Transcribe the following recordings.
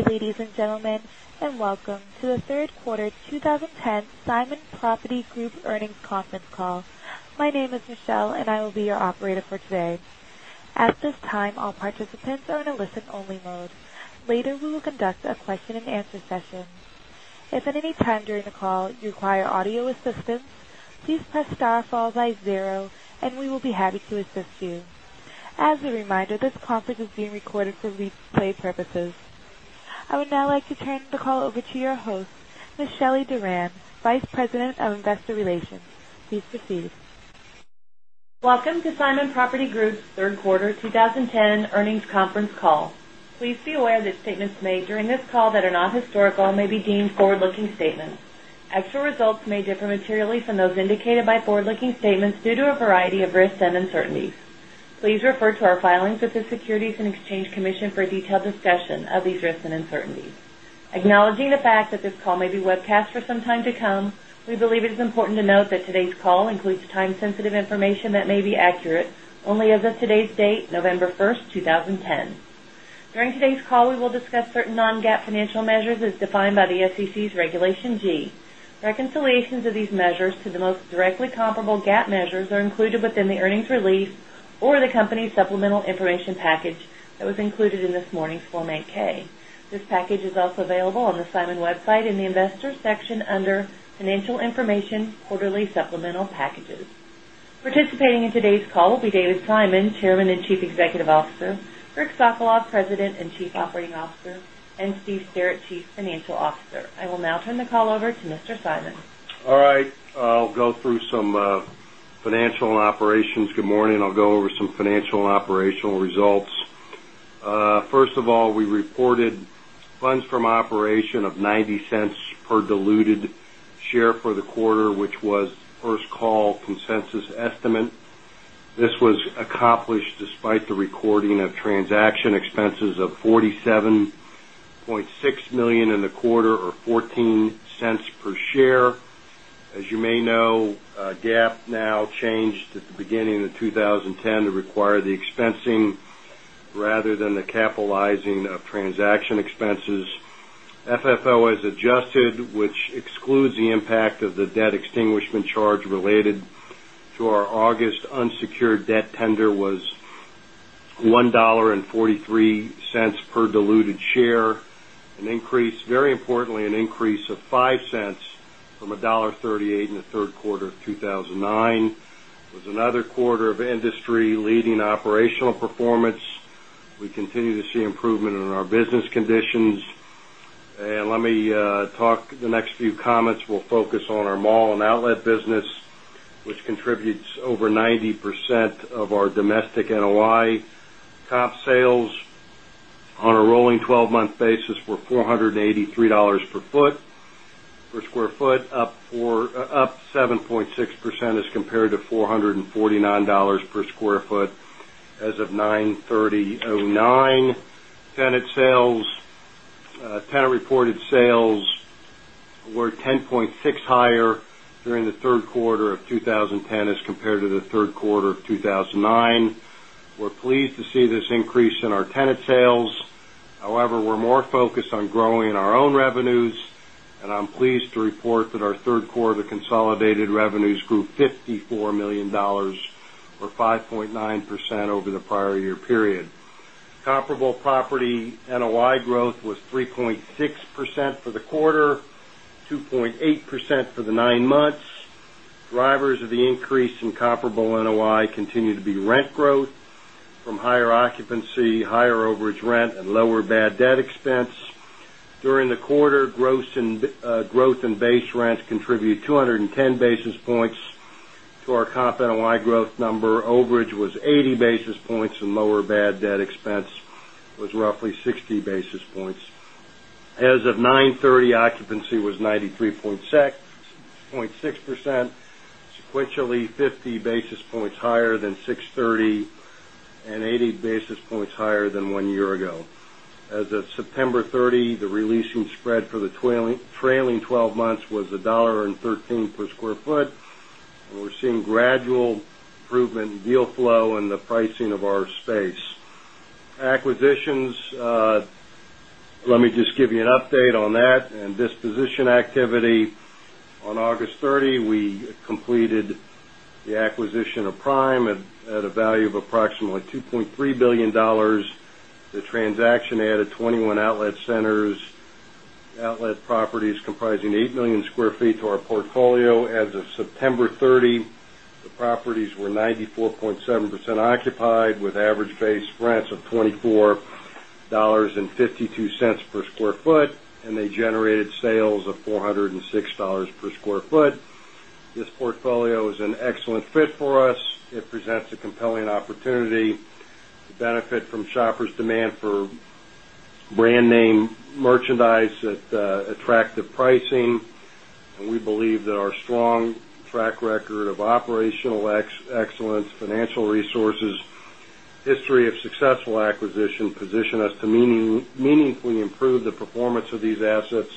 Ladies and gentlemen, and welcome to the Third Quarter 2010 Simon Property Group Earnings Conference Call. My name is Michelle and I will be your operator for today. At this time, all participants are in a listen only mode. Later, we will conduct a question and answer session. As a reminder, this conference is being recorded for replay purposes. I would now like to turn the call over to your host, Ms. Shelly Duran, Vice President of Investor Relations. Please proceed. Welcome to Simon Property Group's Q3 2010 Earnings Conference Call. Please be aware that statements made during this call that are not historical may be deemed forward looking statements. Actual results may differ materially from those indicated by forward looking statements due to a variety of risks and uncertainties. Please refer to our filings with the Securities and Exchange Commission for a discussion of these risks and uncertainties. Acknowledging the fact that this call may be webcast for some time to come, we believe it is important to note that today's call includes time sensitive information that may be accurate only as of today's date, November 1, 2010. During today's call, we will discuss certain non GAAP financial measures as defined by the SEC's Regulation G. Reconciliations of these measures to the most directly comparable GAAP measures are included within the earnings release or the company's supplemental information package that was included in this morning's Form 8 ks. This package is also available on the Simon Web site in the Investors section under Financial Information Quarterly Supplemental Packages. Participating in today's call will be David Simon, Chairman and Chief Executive Officer Rick Sokolov, President and Chief Operating Officer and Steve Stearitt, Chief Financial Officer. I will now turn the call over to Mr. Simon. All right. I'll go through some financial and operations. Good morning. I'll go over some financial and operational results. First of all, we reported funds from operation of $0.90 per diluted share for the quarter, which was first call consensus 0 2010 to require the expensing rather than the capitalizing of transaction expenses. FFO as adjusted which excludes the impact of the debt extinguishment charge related to our August unsecured debt tender was $1.43 per diluted share, an increase very importantly an increase of $0.05 from $1.38 in Q3 of 2019 was another quarter of industry leading operational performance. We continue to see improvement in our business conditions. And let me talk the next few comments, we'll focus on our mall and outlet business, which contributes over 90% of our domestic NOI. Top sales on a rolling 12 month basis were $4.83 per foot per square foot, up 7 point 6% as compared to $4.49 per square foot as of ninethirtynine. Tenant sales tenant reported sales were 10.6% higher during the Q3 of 2010 as 20 our own revenues and I'm pleased to report that our Q3 consolidated revenues grew $54,000,000 or 5.9 percent over the prior year period. Comparable property NOI growth was 3.6% for the quarter, 2.8% for the 9 months. Drivers of the increase in comparable NOI continue to be rent growth from higher occupancy, higher overage rent and lower bad debt expense. During the quarter, growth in base rents contributed 2 10 basis points to our comp NOI growth number. Overage was 80 basis points and lower bad debt expense was roughly 60 basis points. As of ninethirty, occupancy was 93 point 6 percent sequentially 50 basis points higher than 6.30 points higher than 1 year ago. As of September 30, the releasing spread for the trailing 12 months was $1.13 per square foot. We're seeing gradual improvement in deal flow and the pricing of our space. Acquisitions, let me just give you an update on that and disposition activity on August 30, we completed the acquisition of Prime at a value of approximately $2,300,000,000 The transaction added 21 outlet centers, outlet properties comprising 8,000,000 square feet to our portfolio. As of September 30, the properties were 94.7% occupied with average base rents of $24.52 per square foot and they generated sales of 4 $6 per square foot. This portfolio is an excellent fit for us. It presents a compelling opportunity. Benefit from shoppers demand for brand name merchandise at attractive pricing. We believe that our strong track record of operational excellence, financial resources, history of successful acquisition position us to meaningfully improve the performance of these assets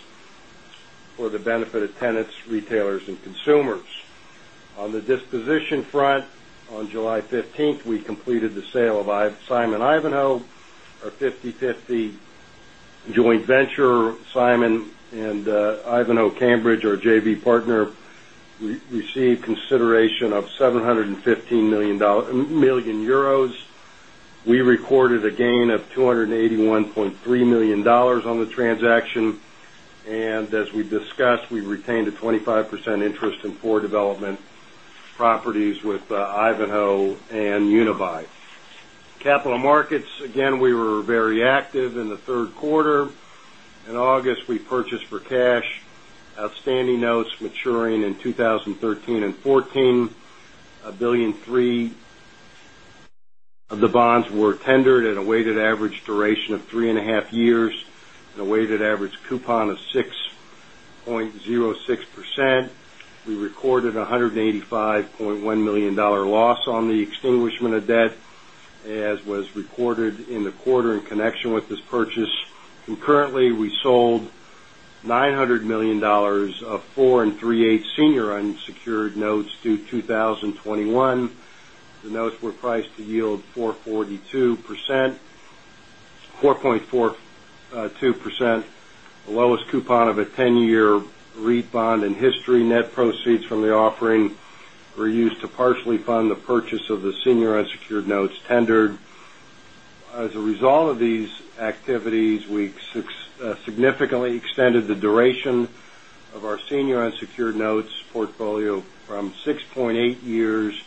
for the the benefit of tenants, retailers and consumers. On the disposition front, on July 15th, we completed the sale of Simon Ivanhoe, our 50 joint venture Simon and Ivanhoe Cambridge, our JV partner, we received consideration of 7 €15,000,000 We recorded a gain of $281,300,000 on the transaction. And as we've discussed, we retained a 25% interest in 4 development properties with Ivanhoe and Unibail. Capital Markets, again, we were very active in the Q3. In August, we purchased for cash outstanding notes maturing in 20 13 2014, dollars 1,300,000,000 of the bonds were tendered at a weighted average duration of 3.5 years, a weighted average coupon of 6.06%. We recorded $185,100,000 loss on the extinguishment of debt as was recorded in the quarter in connection with this purchase. And currently, we sold $900,000,000 of 4.3eight senior unsecured notes to 2021. The notes were priced to yield 4.42 percent, the lowest the lowest coupon of a 10 year REIT bond in history. Net proceeds from the offering were used to partially fund the purchase the duration of our senior unsecured notes portfolio from 6.8 years to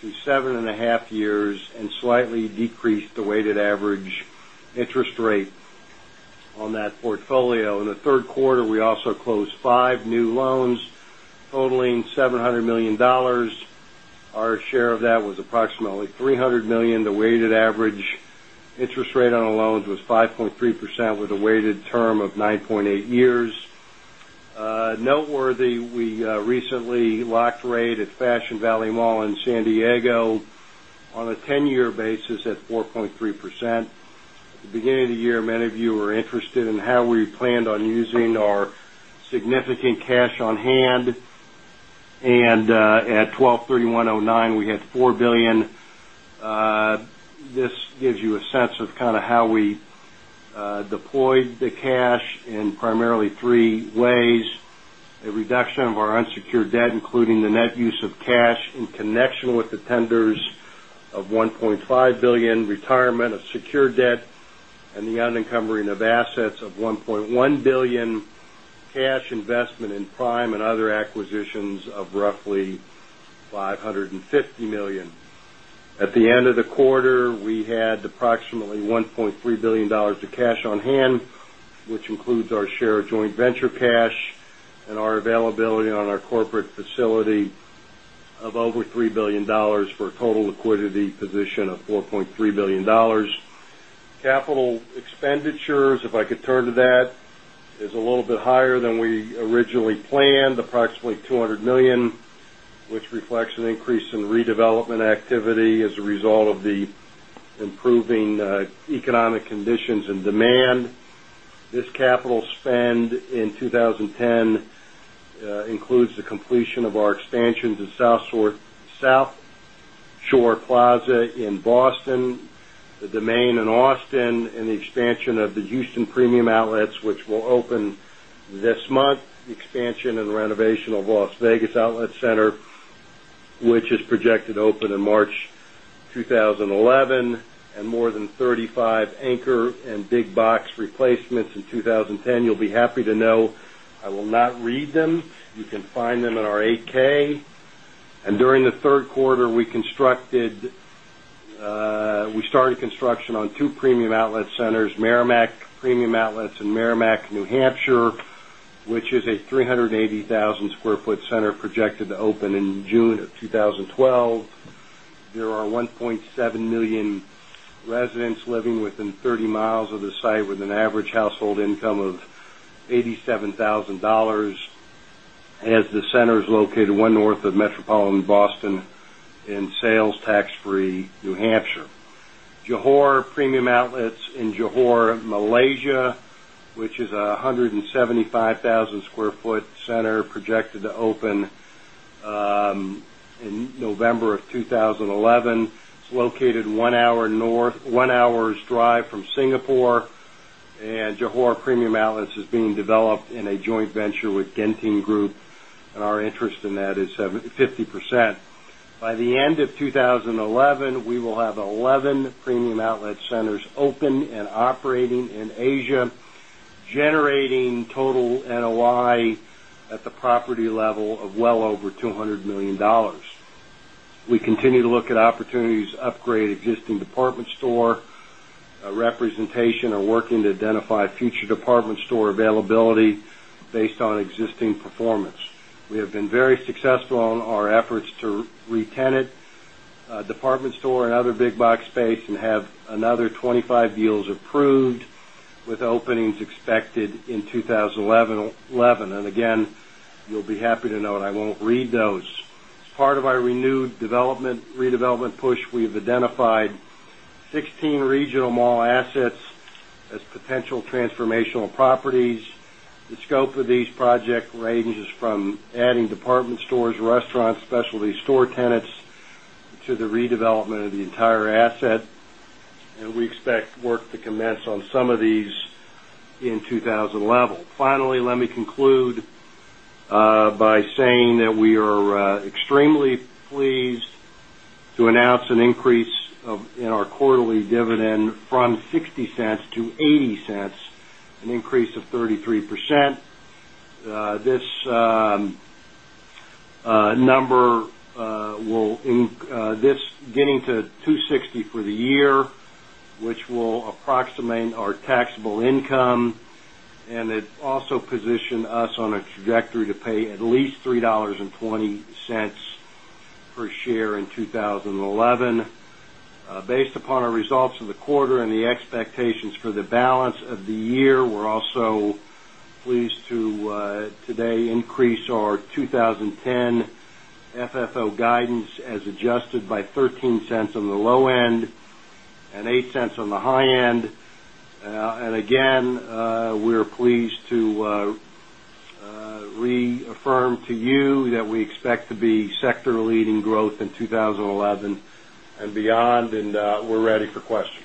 to 7.5 years and slightly decreased the weighted average interest rate on that portfolio. In the 3rd quarter, we also closed 5 new loans totaling $700,000,000 Our share of that was approximately $300,000,000 The weighted average interest rate on the loans was 5.3% with a weighted term of 9.8 years. Noteworthy, we recently locked rate at Fashion Valley Mall in San Diego on a 10 year basis at 4.3%. At the beginning hand. And at twelvethirty onetenine we had $4,000,000,000 This gives you a sense of of how we deployed the cash in primarily three ways, a reduction of our unsecured debt including the net use of cash in connection with the tenders of $1,500,000,000 retirement of secured debt and the unencumbered of assets of $100,000,000,000 cash investment in prime and other acquisitions of roughly $550,000,000 At the end of the quarter, we had approximately $1,300,000,000 of cash on hand, which includes our share of joint venture cash and our availability on our corporate facility of over $3,000,000,000 for total liquidity position of $4,300,000,000 Capital expenditures, if I could turn to that, is a little bit higher than we originally planned, approximately 200,000,000 dollars which reflects an increase in redevelopment activity as a result of the improving economic conditions and demand. This capital spend in 2010 includes the completion of our expansion to South Shore Plaza in Boston, the Domain in Austin and the expansion of the Houston Premium Outlets, which will open this month, the expansion and renovation of Las Vegas outlet center, which is projected to open to open in March 2011 and more than 35 anchor and big box replacements in 20 10, you'll be happy to know I will not read them. You can find them in our 8 ks. And during the Q3, we constructed we started construction on 2 premium outlet centers Meramec Premium Outlets and Meramec, New Hampshire, which is a 380,000 square foot center projected to open in June of 2012. There are 1.7 1,000,000 residents living within 30 miles of the site with an average household income of $87,000 as the center is located 1 North of Metropolitan Boston and sales tax free New Hampshire. Johor Premium Outlets in Johor, Malaysia, which is 175,000 Square Foot Center projected to open in November of 2011. It's located 1 hour north, 1 hour's drive from Singapore and Johor Premium Outlets is being developed in a joint venture with Genting Group and our interest in that is 50%. By the end of 2011, we will have 11 Premium Outlet Centers open and operating in Asia, generating total NOI at the property level of well over $200,000,000 We continue to look at opportunities to upgrade existing department store representation or working to identify future department store availability based on existing performance. We have been very successful on our efforts to re tenant department store and other big box space and have another 20 5 deals approved with openings expected in 2011. And again, you'll be happy to know and I won't read those. As part of our renewed development, redevelopment push, we've identified 16 Regional Mall assets as potential transformational properties. The scope of these projects ranges from adding department stores, restaurants, specialty store tenants to the redevelopment of the entire asset and we expect work to commence on some of these in 2011. Finally, let me conclude by saying that we are extremely pleased to announce an increase in our quarterly dividend from $0.60 to 0 point percent. This number will this getting to $2.60 for the year, which will approximate our taxable income and it also position us on a trajectory to pay at least 3 point $0.20 per share in 20 11. Based upon our results the balance of the year, we're also pleased to today increase our 20 10 FFO guidance as adjusted by $0.13 on the low end and $0.08 on the high end. And again, we are pleased to reaffirm to you that we expect to be sector Your first Your first question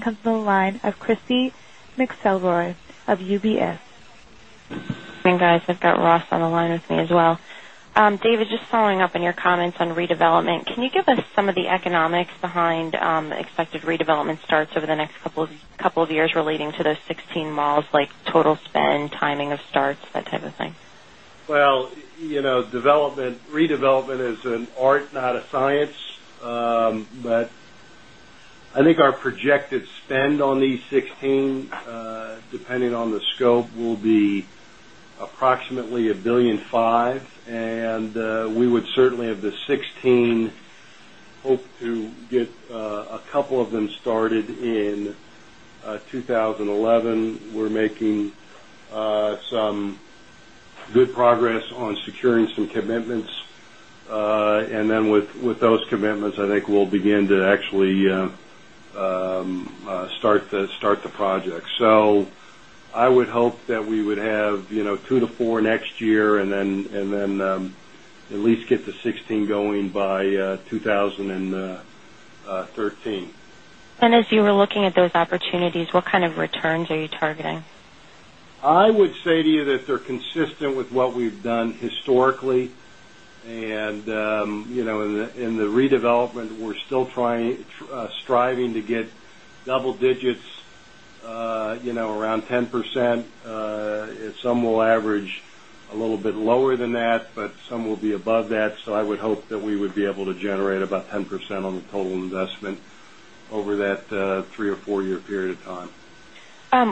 comes from the line of Christy McElroy of UBS. Hey guys, I've got Ross on the line with me as well. David, just following up on your comments on redevelopment, can you give us some of the economics behind expected redevelopment starts over the next couple of years relating to those 16 malls like total spend, timing of starts, that type of thing? Well, redevelopment is an art, not a science. But I think our projected spend on these 16, depending on the scope, will be approximately $1,500,000,000 and we would certainly have the 16 hope to get a couple of them started in 2011. We're making some good progress on securing some commitments. And then with those commitments, I think we'll begin to actually start the project. So I would hope that we would have 2 to 4 next year and then at least get the 16% going by 2013. And as you were looking at those opportunities, what kind of returns are you targeting? I would say to you that they're consistent with what we've done historically. And in the redevelopment, we're still striving to get double digits around 10%, some will average a little bit lower than that, but some will be above that. So I would hope that we would be able to generate about 10% on the total investment over that 3 or 4 year period of time.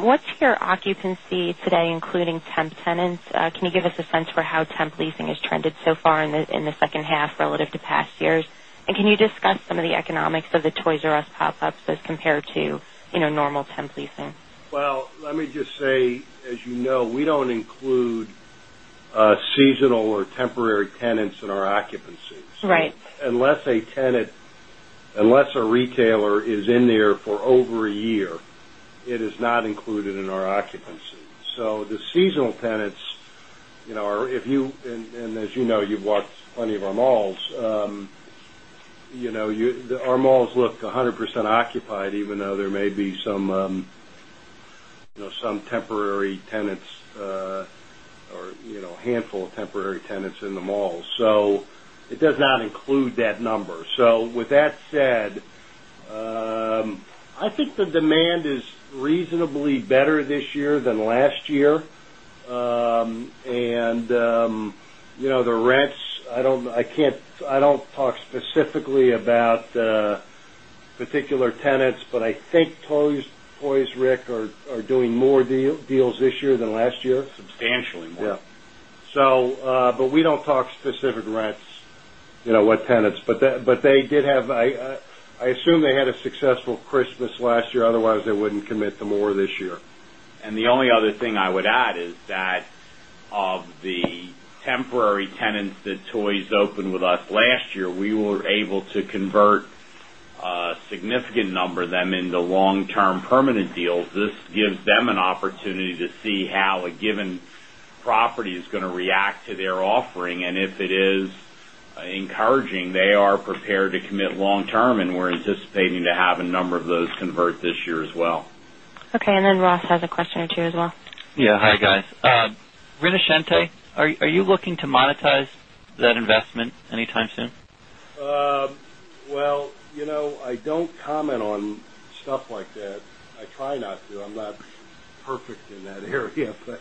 What's your occupancy today including temp tenants? Can you give us a sense for how temp leasing has trended so far in the second half relative to past years? And can you discuss some of the economics of the Toys R Us pop ups as compared to normal temp leasing? Well, let me just say, as you know, we don't include seasonal or temporary tenants in our occupancies Unless a tenant unless a retailer is in there for over a year, it is not included in our occupancy. So the seasonal tenants are if you and as you know, you've walked plenty of our malls. Our malls look 100% occupied even though there may be some there may be some temporary tenants in the malls handful of temporary tenants in the malls. So it does not include that number. So with that said, I think the demand is reasonably better this year than last year. And the rents, I can't I don't talk specifically about particular tenants, but I think Poiz, Rick are doing more deals this year than last year. Substantially more. Yes. So, but we don't talk specific rents with tenants, but they did have I assume they had a successful Christmas last year, otherwise they wouldn't commit to more this year. And the only other thing I would add is that of the temporary tenants that Toys opened with us last year, we were able to convert a significant number of them into long term permanent deals. This gives them an opportunity to see how a given property is going to react to their offering. And if it is encouraging, they are prepared to commit long term, and we're anticipating to have a number of those convert this year as well. And then Ross has a question or two as well. Yes. Hi, guys. Rinaciente, are you looking to monetize that investment anytime soon? Well, I don't comment on stuff like that. I try not to. I'm not perfect in that area. But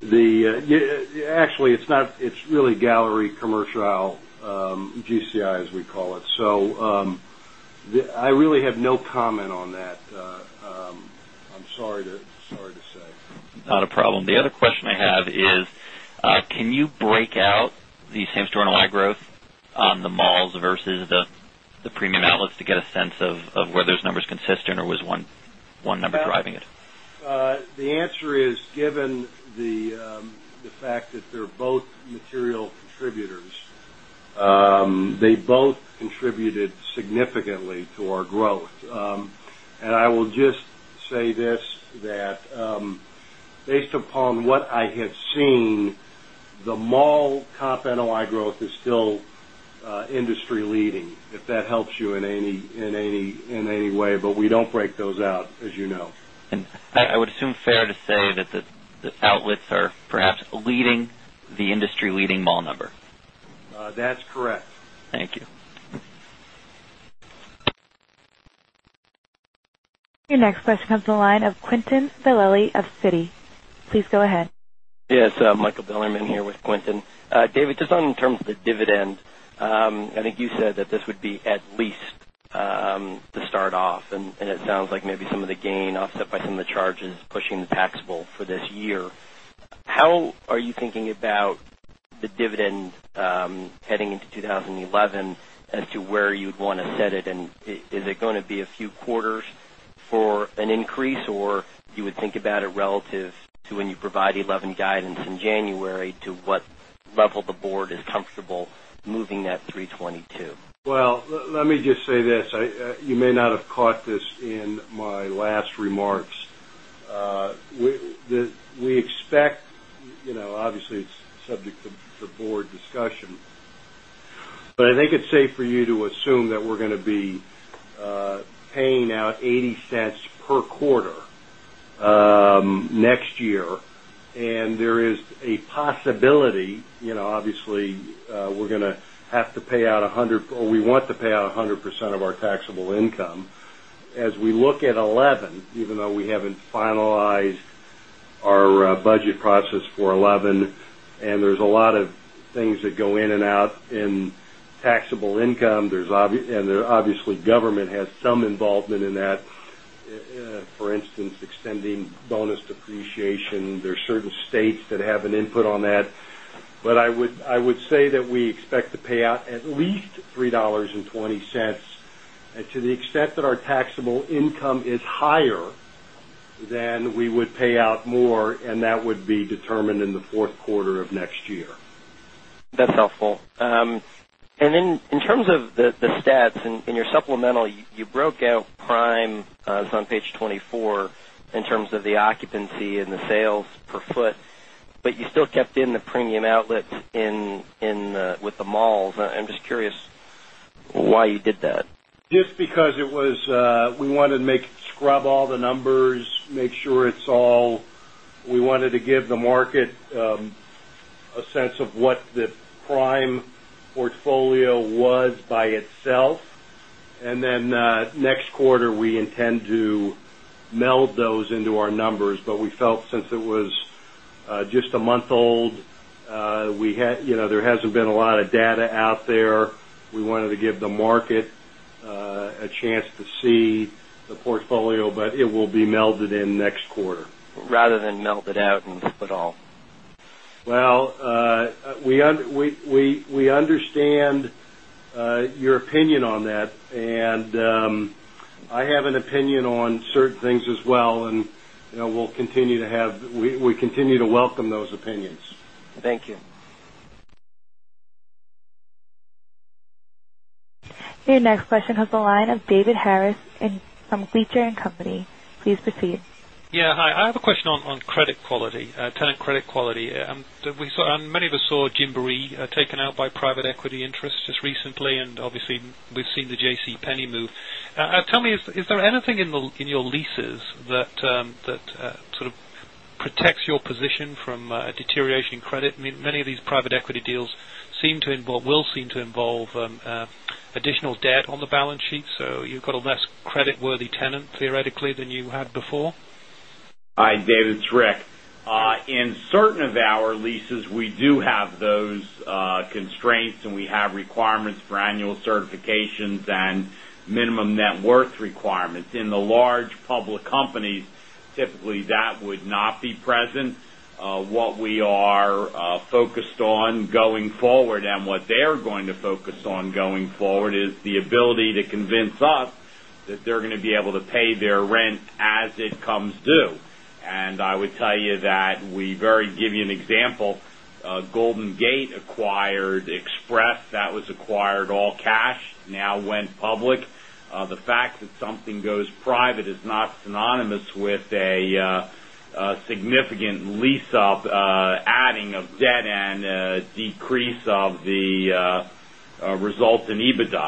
the actually, it's not it's really gallery commercial GCI GCI as we call it. So I really have no comment on that. I'm sorry to say. Not a problem. The other outlets to get a sense of where those numbers consistent? Or was one number outlets to get a sense of where those numbers consistent or was one number driving it? The answer is given the fact that they're both material contributors, they both contributed significantly to our growth. And I will just say this that based upon what I had seen, the mall comp NOI growth is still industry leading, if that helps you in any way, but we don't break those out as you know. And I would assume fair to say that the outlets are perhaps leading the industry leading mall number? That's correct. Thank you. Your next question comes from the line of Quentin Fazeli of Citi. Please go ahead. Yes. Michael Bilerman here with Quintin. David, just on in terms of the dividend, I think you said that this would be at least to start off and it sounds like maybe some of the gain offset by some of the charges pushing the taxable for this year. How are you thinking about the dividend heading into 2011 as to where you'd want to set it? And is it going to be a few quarters for an increase? Or you would think about it relative to when you provide $11,000,000 guidance in January to what level the Board is comfortable moving that $322,000,000 Well, let me just say this. You may not have caught this in my last remarks. We expect obviously, it's subject to the Board discussion, but I think it's safe for you to assume that we're going to be paying out $0.80 per quarter next year. And there is a possibility, obviously, we're going to have to pay out 100 or we want to pay out 100% of our taxable income. As we look at 11, even though we haven't finalized our budget process for 11 and there's a lot of things that go in and out in taxable income and obviously government has some involvement in that. For instance, extending bonus depreciation. There are certain states that have an input on that. But I would say that we expect to pay out at least $3.20 To the extent that our taxable income is higher, then we would pay out more and that would be determined in the Q4 of next year. That's helpful. And then in terms of the stats in your supplemental, you broke out prime, it's on page 24, in terms of the occupancy and the sales per foot, but you still kept in the premium outlets in with the malls. I'm just curious why you did that? Just because it was we wanted to make scrub all the numbers, make sure it's all we wanted to give the market a sense of what the prime portfolio was by itself. And then next quarter, we intend to meld those into our numbers, but we felt since it was just a month old, we had there hasn't been a lot of data out there. We wanted to give the market a chance to see the portfolio, but it will be melded in next quarter. Rather than melded out and spit all? Well, we understand your opinion on that. And I have an opinion on certain things as well and we'll continue to have we continue to welcome those opinions. Thank you. Your next question comes from the line of David Harris from Leuchten and Company. Please proceed. Yes. Hi. I have a question on credit quality, tenant credit quality. Saw Gymboree taken out by private equity interests just recently and obviously we've seen the JCPenney move. Tell me, is there anything in your leases that sort of protects your position from a deterioration in credit? I mean, many of these private equity deals seem to will seem to involve additional debt on the balance sheet. So you've got a less credit worthy tenant theoretically than you had before? Hi, David, it's Rick. In certain of our leases, we do have those constraints and we have requirements for annual certifications and minimum net worth requirements. In the large public companies, typically, that would not be present. What we are focused on going forward and what they're going to focus on going forward is the ability to convince us that they're going to be able to pay their rent as it comes due. And I would tell you that we very give you an example, Golden Gate acquired Express, that was acquired all cash, now went public. The fact that something goes private is not synonymous with a significant lease up adding of debt and decrease of the results in EBITDA. We of the results in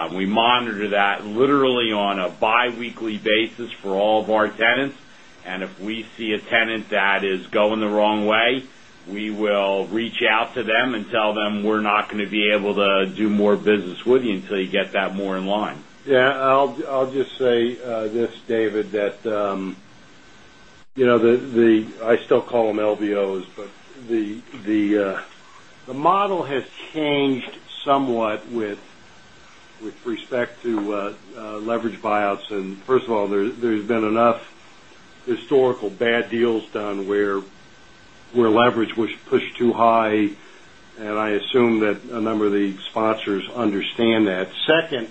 EBITDA. We monitor that literally on a biweekly basis for all of our tenants. And if we see a tenant that is going the wrong way, we will reach out to them and tell them we're not going to be able to do more business with you until you get that more in line. Yes. I'll just say this, David, that the I still call them LBOs, but the model changed somewhat with respect to leverage buyouts. And first of all, there has been enough historical bad deals done where leverage was pushed too high. And I assume that a number of the sponsors understand that. 2nd,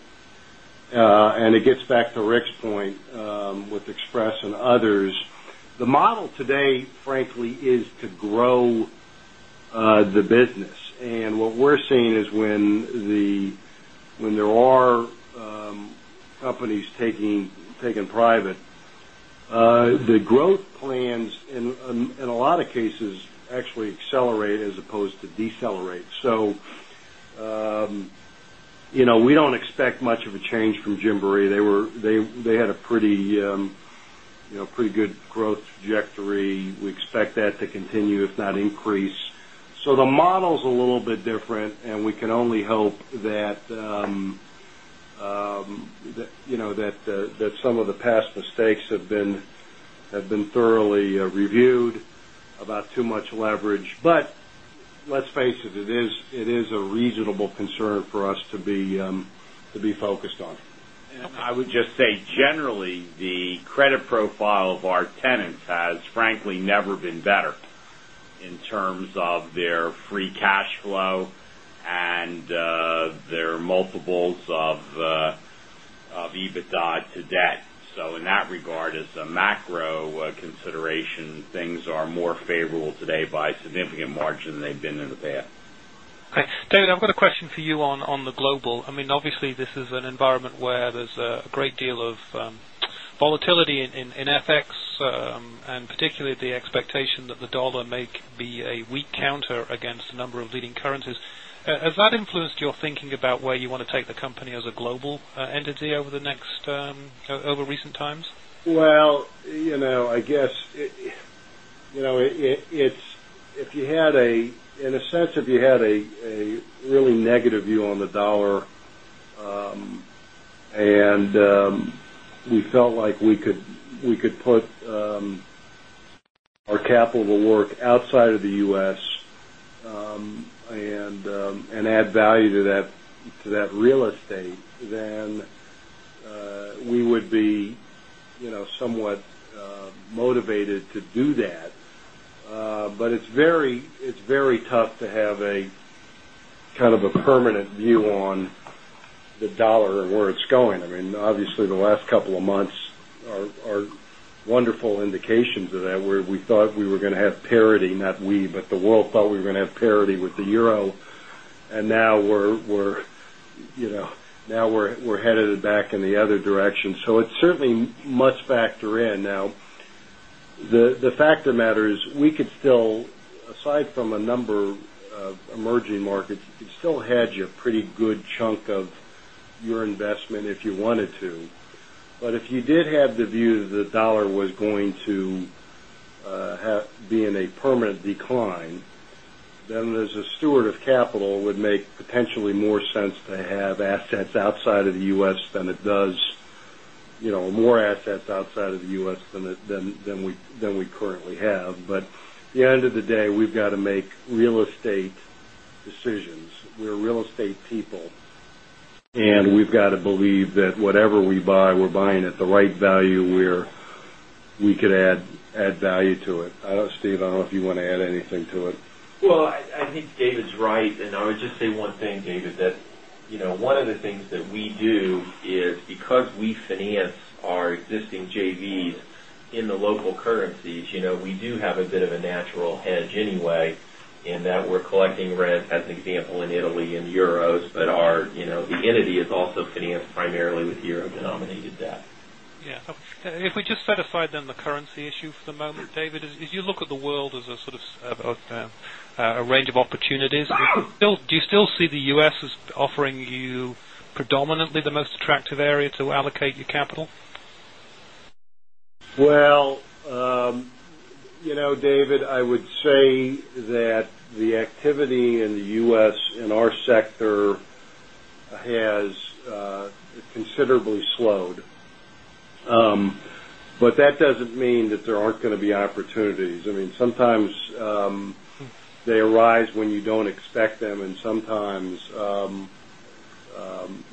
and it gets back to Rick's point with Express and others, the model today frankly is to grow the business. And what we're seeing is when the when there are companies taking private, the growth plans in a lot of cases actually accelerate as opposed to decelerate. So we don't expect much of a change from Gymboree. They were they had a pretty good growth trajectory. We expect that to continue if not increase. So the model is a little bit different and we can only hope that some of the past mistakes have been thoroughly reviewed about too much leverage. But let's face it, it is a reasonable concern for us to be focused on. I would just say generally the credit profile of our tenants has frankly never been better in terms of their free cash flow and their multiples of EBITDA to debt. So in that regard, as a macro consideration, things are more favorable today by significant margin than they've been in the past. Okay. David, I've got a question for you on the global. I mean, obviously, this is an environment where there's a great of volatility in FX and particularly the expectation that the dollar may be a weak counter against a number of leading currencies. Has that influenced your thinking about where you want to take the company as a global entity over the next over recent times? Well, I guess, it's if you had a in a sense, if you had a really negative view on the dollar and we felt like we could put our capital to work outside of the U. S. And add value to that real estate, then we would be somewhat motivated to do that. But it's very tough to have a kind of a permanent view on the dollar and where it's going. I mean, obviously, the last couple of months are wonderful indications of that where we thought we were going to have parity, not we, but the world thought we were going to have parity with the euro. And now we're headed back in the other direction. So it's certainly factor in. Now the fact of the matter is we could still, aside from a number of emerging markets, you could still hedge a pretty good chunk of your investment if you wanted to. But if you did have the view that the dollar was going to be in a permanent decline, then there's a steward of capital would make potentially more sense to have assets outside of the U. S. Than it does more assets outside of the U. S. Than we currently have. But at the end of the day, we've got to make real estate decisions. We're real estate people. And we've got to believe that whatever we buy, we're buying at the right value where we could add value to it. Steve, I don't know if you want to add anything to it. Well, I think David is right. And I would just say one thing, David, that one of the things that we do is because we finance our existing JVs in the local currencies, we do have a bit of a natural hedge anyway in that we're collecting rents as an example in Italy and euros, but our the entity is also financed primarily with euro denominated debt. Yes. If we just set aside then the currency issue for the moment, David, as you look at the world as a sort of a range of opportunities, do you still see the U. S. Offering you predominantly the most attractive area to allocate your capital? Well, David, I would say that the activity in the U. S. In our sector has considerably slowed. But that doesn't mean that there aren't going to be opportunities. I mean, sometimes they arise when you don't expect them and sometimes you have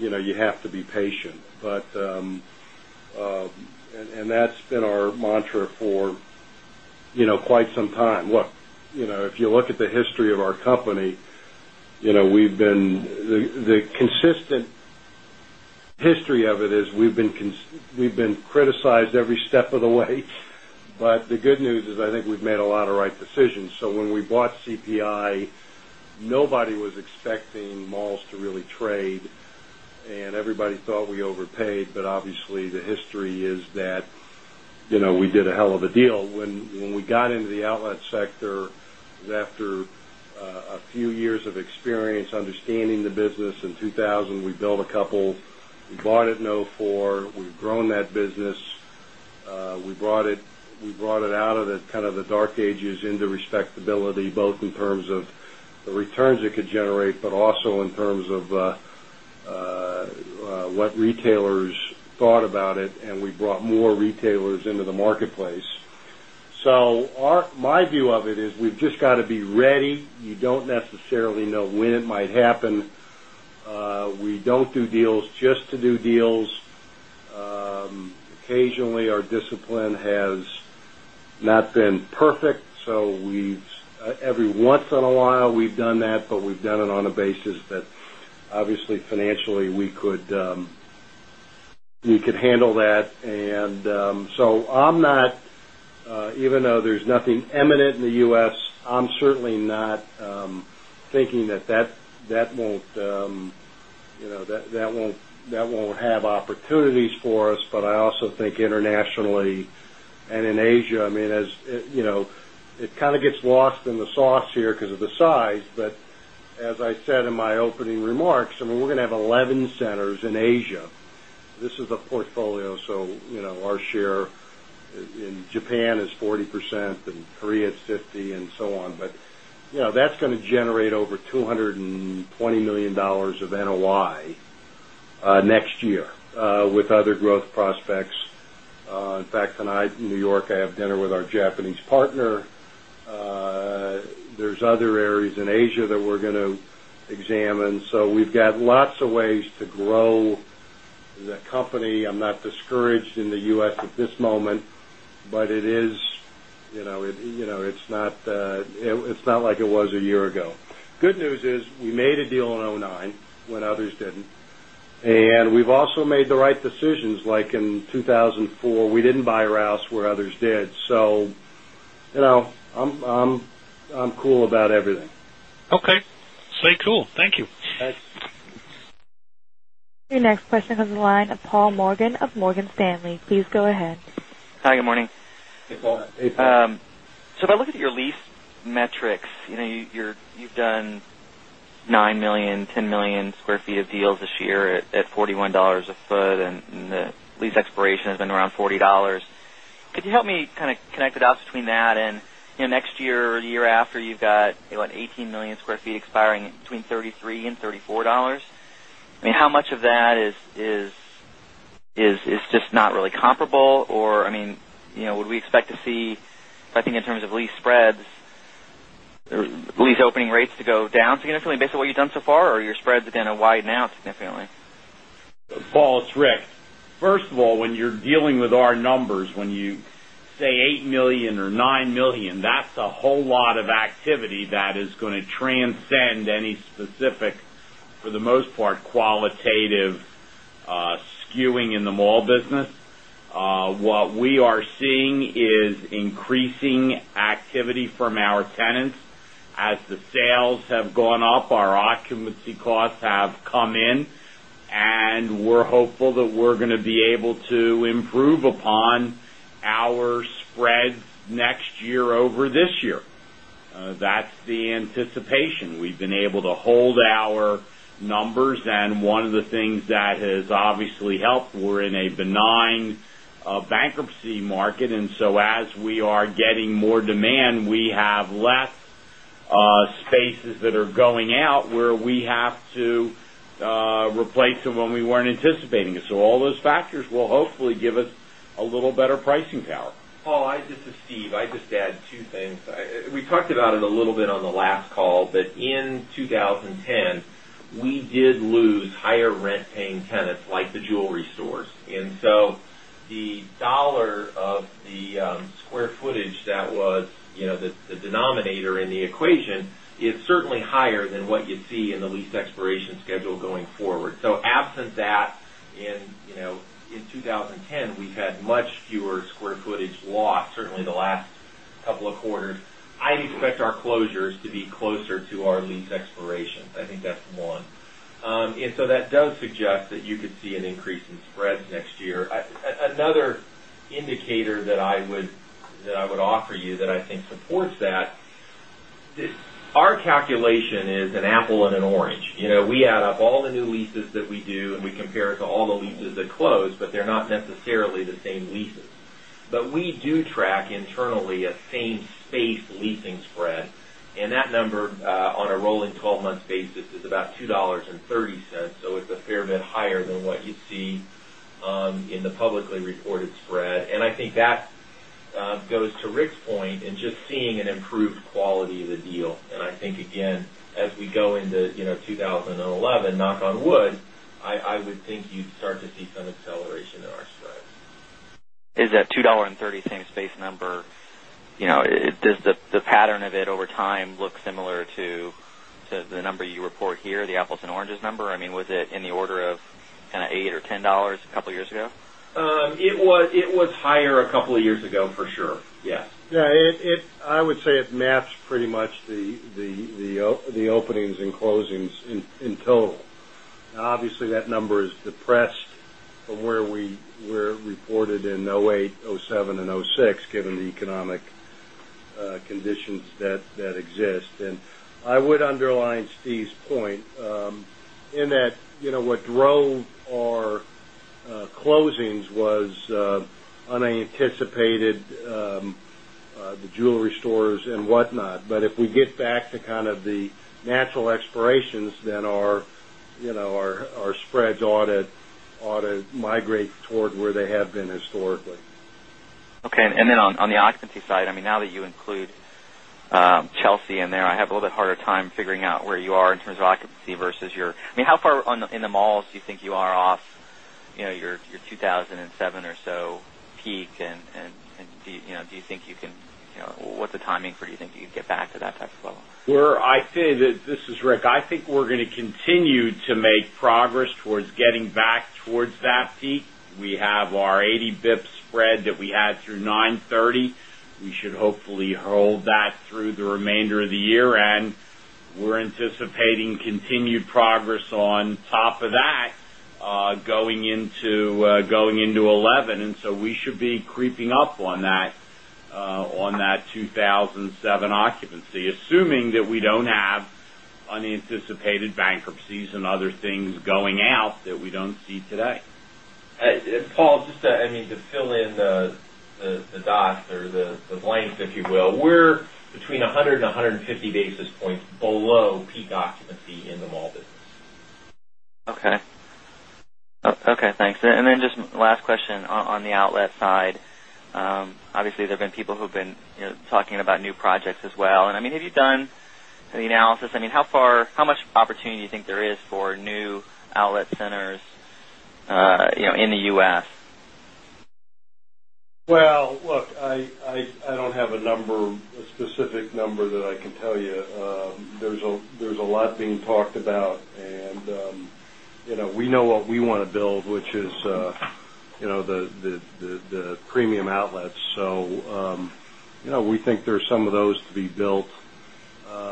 to be patient. But and that's been our mantra for quite time. Look, if you look at the history of our company, we've been the consistent history of it is we've been criticized every step of the way. But the good news is I think we've made a lot of right decisions. So when we bought CPI, nobody was expecting malls to really trade and everybody thought we overpaid. But obviously, the history is that we did a hell of a deal. When we got into the outlet sector after a few years of experience understanding the business, in 2000 we built a couple. We bought it in 4. We've grown that business. We brought it out of the kind of the dark ages into respectability, both in terms of necessarily know when it might happen. We don't do deals just to do deals. Occasionally, our discipline has not been perfect. So, we every once in a while, we've done that, but we've done it on a basis that obviously financially we could handle that. And so I'm not, even though there's nothing eminent in the U. S, I'm certainly not thinking that that won't have opportunities for us, but I also think internationally and in Asia, I mean, as it kind of gets lost in the sauce here because of the size. But as I said in my opening remarks, I mean, we're going to have 11 centers in Asia. This is a portfolio, so our share in Japan is 40%, in Korea it's 50% and so on. But that's going to generate over $220,000,000 of NOI next year with other prospects. In fact, in New York, I have dinner with our Japanese partner. There's other areas in Asia that we're going to examine. So we've got lots of ways to grow the company. I'm not discouraged in the U. S. At this moment, but it is it's not like it was a year ago. Good news is we made a deal in 2009 when others didn't. And we've also made the right decisions like in 2,000 and 4, we didn't buy arouse where others did. So I'm cool about everything. Okay. Stay cool. Thank you. Your next question comes from the line of Paul Morgan of Morgan Stanley. Please go ahead. Hi, good morning. Hey Paul. Hey Paul. So if I look at your lease metrics, you've done 9000000, 10000000 square feet of deals this year at $41 a foot and the lease expiration has been around $40 Could you help me kind of connect the dots between that and next year or the year after you've got 18,000,000 square feet expiring between $33 $34 I mean how much of that is just not really comparable or I mean would we expect to see I think in terms of lease spreads, lease opening rates to go down significantly based on what you've done so far or your spreads are going to widen out significantly? Paul, it's Rick. First of all, when you're dealing with our numbers, when you say $8,000,000 or $9,000,000 that's a whole lot of activity that is going to trans transcend any specific, for the most part, qualitative skewing in the mall business. What we are seeing is increasing activity from our tenants. As the sales have gone up, our occupancy costs have come in, and we're hopeful that we're going to be able to improve upon our spreads next year over this year. That's the anticipation. We've been able to hold our numbers. And one of the things that has obviously helped, we're in a benign bankruptcy market. And so as we are getting more demand, we have less spaces that are going out where we have to replace it when we weren't anticipating it. So all those factors will hopefully give us a little better pricing power. Paul, this is Steve. I'd just add 2 things. We talked about it a little bit on the last call. But in 2010, we did lose higher rent paying tenants like the jewelry stores. And so the dollar of the square footage that was the denominator in the equation is certainly higher than what you see in the lease expiration schedule going forward. So absent that in 2010, we've had much fewer square footage loss certainly the last couple of quarters. I'd expect our closures to be closer to our lease expirations. I think that's one. And so that does suggest that you could see an our calculation is an apple and an orange. We add up all the Our calculation is an apple and an orange. We add up all the new leases that we do and we compare it to all the leases that closed, but they're not necessarily the same leases. But we do track internally a same space leasing spread. And that number on a $2.30 So it's a fair bit higher than what you see in the publicly reported spread. And I think that goes to Rick's point and just seeing an improved quality of the deal. And I think again, as we go into 2011, knock on wood, I would think you'd start to see some acceleration in our spreads. Is that $2.30 same space number, does the pattern of it over time look similar to the ago? It was higher a couple of years ago for sure. Yes. Yes. I would say it maps pretty much the openings and closings in total. Obviously, that number is depressed from where we were reported Steve's point in that what drove Steve's point in that what drove our closings was an unanticipated, the jewelry stores and whatnot. But if we get back to kind of the natural expirations, then our spreads audit migrate toward where they have been historically. Okay. And then on the occupancy side, I mean, now that you include Chelsea in there, I have a little bit harder time figuring out where you are in terms of occupancy versus your I mean, how far in the malls do you think you are off your 2,007 or so peak? And do you think you can what's the timing for you think you can get back to that type of level? This is Rick. I think we're going to continue to make progress towards getting back towards that peak. Peak. We have our 80 bps spread that we had through ninethirty. We should hopefully hold that through the remainder of the year and we're anticipating continued progress on top of that going into 'eleven. And so we should be creeping up on that 2,007 occupancy, assuming that we don't have unanticipated bankruptcies and other things going out that we don't see today. Paul, just to fill in the dots or the blanks, if you will, we're between 100 basis points and 150 basis points below peak occupancy in the mall business. Okay. Okay, thanks. And then just last question on the outlet side. Obviously, there have been people who've been talking about new projects as well. And I mean, have you done the analysis? I mean, how far how much opportunity do you think there is for new outlet centers in the U. S? Well, look, I don't have a number a specific number that I can tell you. Is a lot being talked about. And we know what we want to build, which is the premium outlets. So we think there specific number, Paul. Okay. All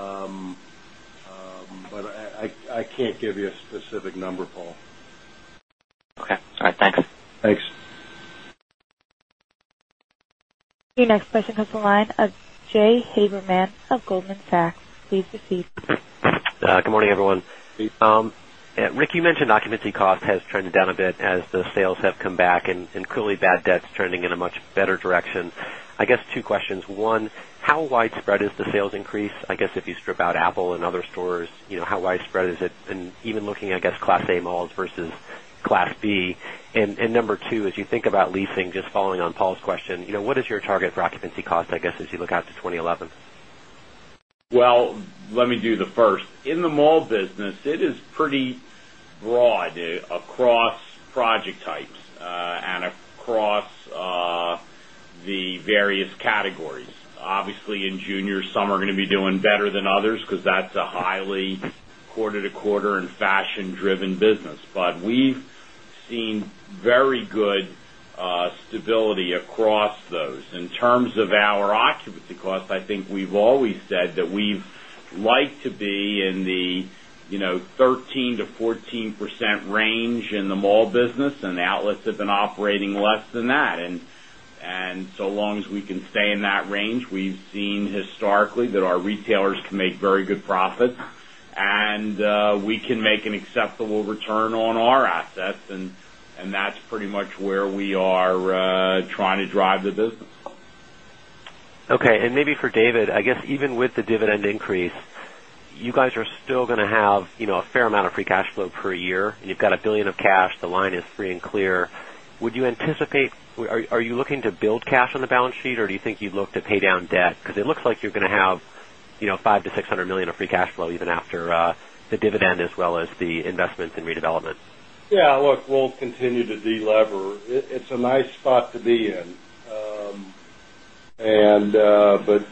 right. Thanks. Thank you. Thank you. Thank you. You a specific number Paul. Okay. All right. Thanks. Thanks. Your next question comes from the line of Jay Haberman of Goldman Sachs. Please proceed. Good morning, everyone. Hey. Rick, you mentioned occupancy cost has trended down a bit as the sales have come back and clearly bad debt is trending in a much better direction. I guess two questions. 1, how widespread is the sales increase? I guess if you strip out Apple and other stores, how widespread is it? And even looking, I guess, Class A malls versus Class B? And number 2, as you think about leasing, just following on Paul's question, what is your target for occupancy cost, I guess, as you look out to 2011? Well, let me do the first. In the mall business, it is pretty broad across project types and across the various categories. Obviously, in junior, some are going to be doing better than others because that's a highly quarter to quarter and fashion driven business. But we've seen very good stability across those. In terms of our occupancy costs, I think we've always said that we like to be in 13% to 14% range in the mall business and outlets have been operating less than that. And so long as we can stay in that range, we've seen historically that our retailers can make very good profits and we can make an acceptable return on our assets and that's pretty much where we are trying to drive the business. Okay. And maybe for David, I guess even with the dividend increase, you guys are still going to have a fair amount of free cash flow per year and you've got 1,000,000,000 dollars of cash, the line is free and clear. Would you anticipate are you looking to build cash on the balance sheet or do you think you'd look to pay down debt because it looks like you're going to have $500,000,000 to $600,000,000 of free cash flow even after the dividend as well as the investments in redevelopment? Yes. Look, we'll continue to delever. It's a nice spot to be in. And but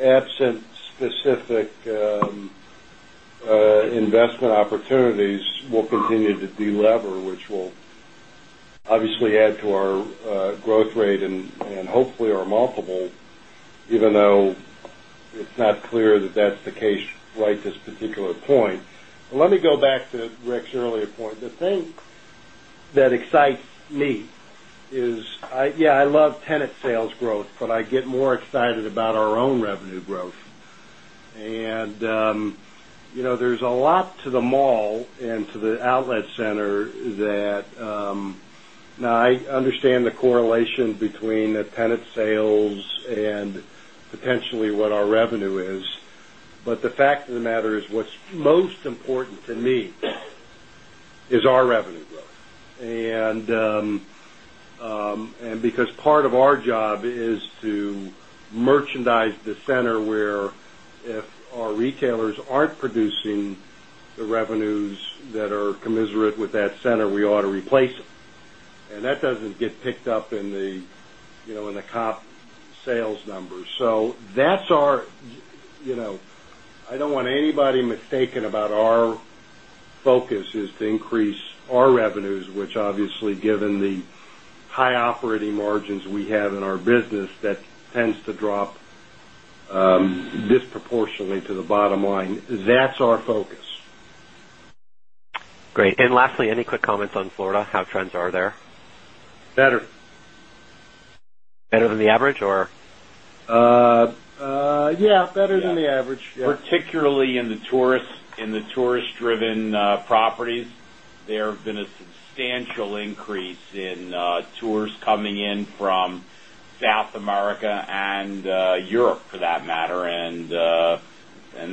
absent specific investment opportunities, we'll continue to delever, which will obviously add to our growth rate and hopefully are multiple even though it's not clear that that's the case right this particular point. Let me go back to Rick's earlier point. The thing that excites me is, yes, I love tenant sales growth, but I get more excited about our own revenue growth. And there's a lot to the mall and to the outlet center that now I understand the correlation between the tenant sales and potentially what because part of our job is to And because part of our job is to merchandise the center where if our retailers aren't producing the revenues that are commensurate with that center, we ought to replace it. And that doesn't get picked up in the comp which obviously given the high operating margins we have in our business that tends to drop disproportionately to the bottom line. That's our focus. Great. And lastly, any quick comments on Florida, how trends are there? Better. Better than the average or? Yes, better than the average. In the tourist driven properties, there have been a substantial increase in tours coming in from South America and Europe for that matter, and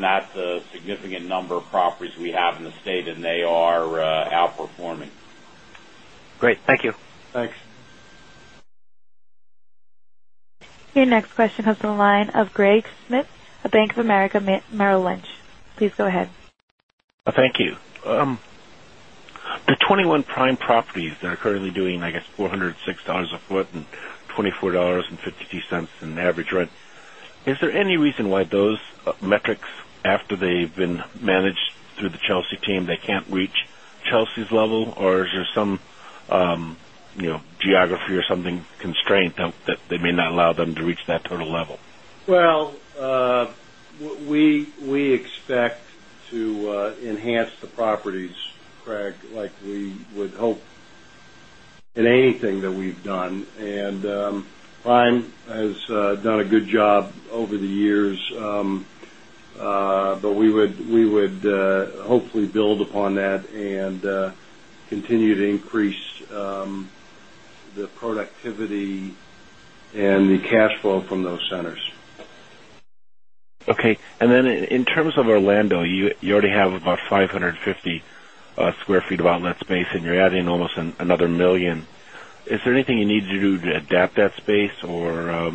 that's a significant number of properties we have in the state and they are outperforming. Great. Thank you. Thanks. Your next question comes from the line of Greg Smith of Bank of America Merrill Lynch. Please go ahead. Thank you. The 21 prime properties that are currently doing, I guess, dollars 406 a foot and $24.52 in average rent, is there any reason why those metrics after they've been managed through the Chelsea team, they can't reach Chelsea's level? Or is there some geography or something constraint that they may not allow them to reach that total level? Well, we expect to enhance the properties, Craig, like we would hope in anything that we've done. And Bryan has done a good job over the years, but we would hopefully build upon that and continue to increase the productivity and the cash flow from those centers. Okay. And then in terms of Orlando, you already have about 550 square feet of outlet space and you're adding almost another 1,000,000. Is there anything you need to do to adapt that space or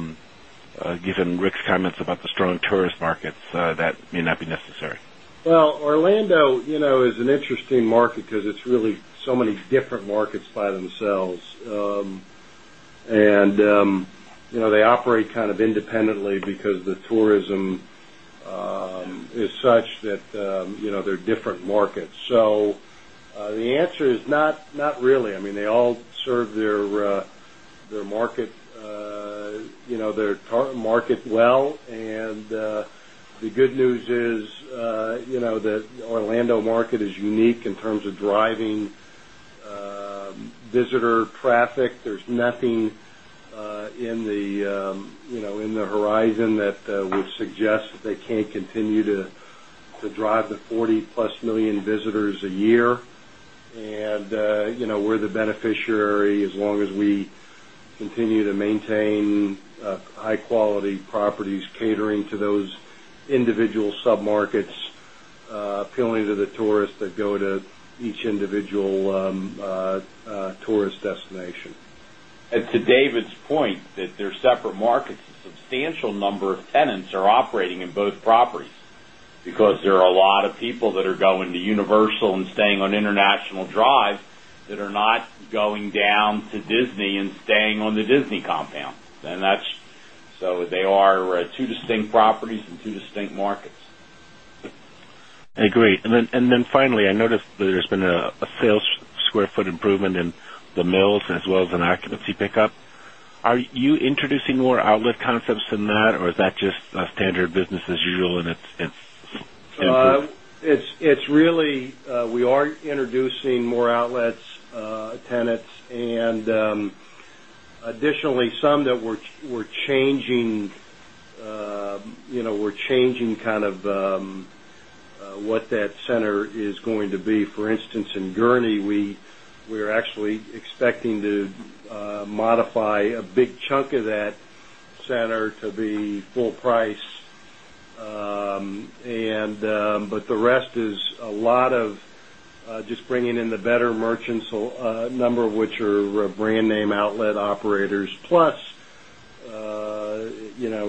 given Rick's comments about the strong tourist markets that may not be necessary? Well, Orlando is an interesting market, because it's really so many different markets by themselves. And they operate kind of independently because the tourism is such that they're different markets. So the answer is not really. I mean they all serve their market, their target market well. And the good news is that Orlando market is unique in terms of driving visitor traffic. There is nothing in the year. And we're the beneficiary as long as we continue to maintain high quality properties catering to those individual submarkets appealing to the tourists that go to each individual tourist destination. And to David's point that there are separate markets, a substantial number of tenants are operating in both properties, because there are a lot of people that are going to Universal and staying on International Drive that are not going down to Disney and staying on the Disney compound. And that's so they are 2 distinct properties and 2 distinct markets. I agree. And then finally, I noticed there has been a sales square foot improvement in the mills as well as an occupancy pickup. Are you introducing more outlet concepts than that? Or is that just a standard business as usual and it's It's really we are introducing more outlets, tenants and additionally some that we're changing kind of what that center is going to be. For instance, in Gurnee, we are actually expecting to modify a big chunk of that center to be full price. And but the rest is a lot of just bringing in the better merchants, a number of which are brand name outlet operators, plus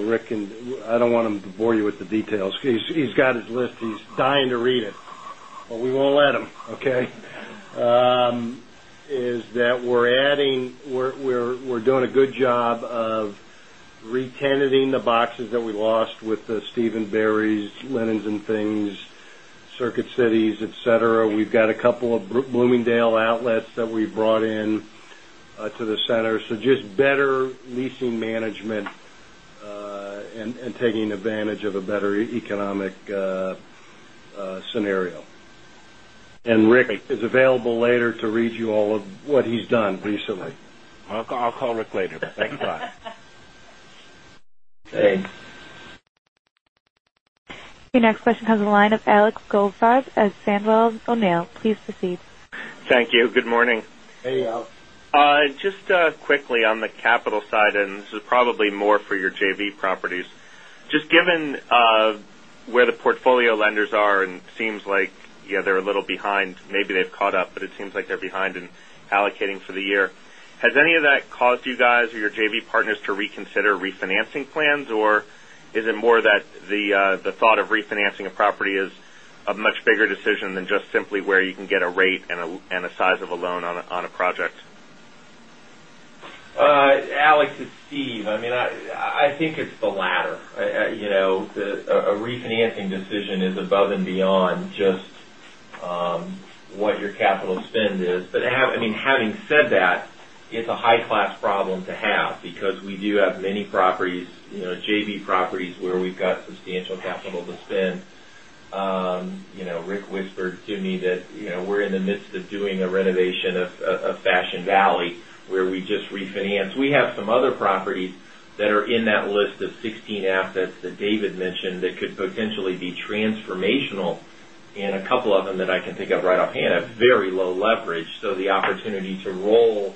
Rick and I don't want them to you with the details. He's got his list. He's dying to read it. But we won't let him, okay? Is that we're adding we're doing a good job of re tenanting the boxes that we lost with the Stephen Barry's, Linens and Things, Circuit Cities, etcetera. We've got a couple of Bloomingdale outlets that we brought in to the center. So just better leasing management and taking advantage of a better economic scenario. And Rick is available later to read you all of what he's done recently. I'll call Rick later. Thanks. Bye. Thanks. Your next question comes from the line of Alex Goldfarb of Sandler O'Neill. Please proceed. Thank you. Good morning. Hey, Alex. Just quickly on the capital side and this is probably more for your JV properties. Just given where the portfolio lenders are and it seems like they're a little behind, maybe they've caught the portfolio lenders are and it seems like they're a little behind, maybe they've caught up, but it seems like they're behind in allocating for the year. Has any of that caused you guys or your JV partners to reconsider refinancing plans or is it more that the reconsider refinancing plans or is it more that the thought of refinancing a property is a much bigger decision than just simply where you can get a rate and a size of a loan on a project? Alex, it's Steve. I mean, I think it's the latter. A refinancing decision is above and beyond just what your capital spend is. But I mean, having said that, it's a high class problem to have because we do have many properties, JV properties where we've got substantial capital to spend. Rick whispered to me that we're in the midst of doing a renovation of Fashion Valley, where we just refinanced. We have some other properties that are in that list of 16 assets that David mentioned that could potentially be transformational. And a couple of them that I can think of right off hand are very low leverage. So the opportunity to roll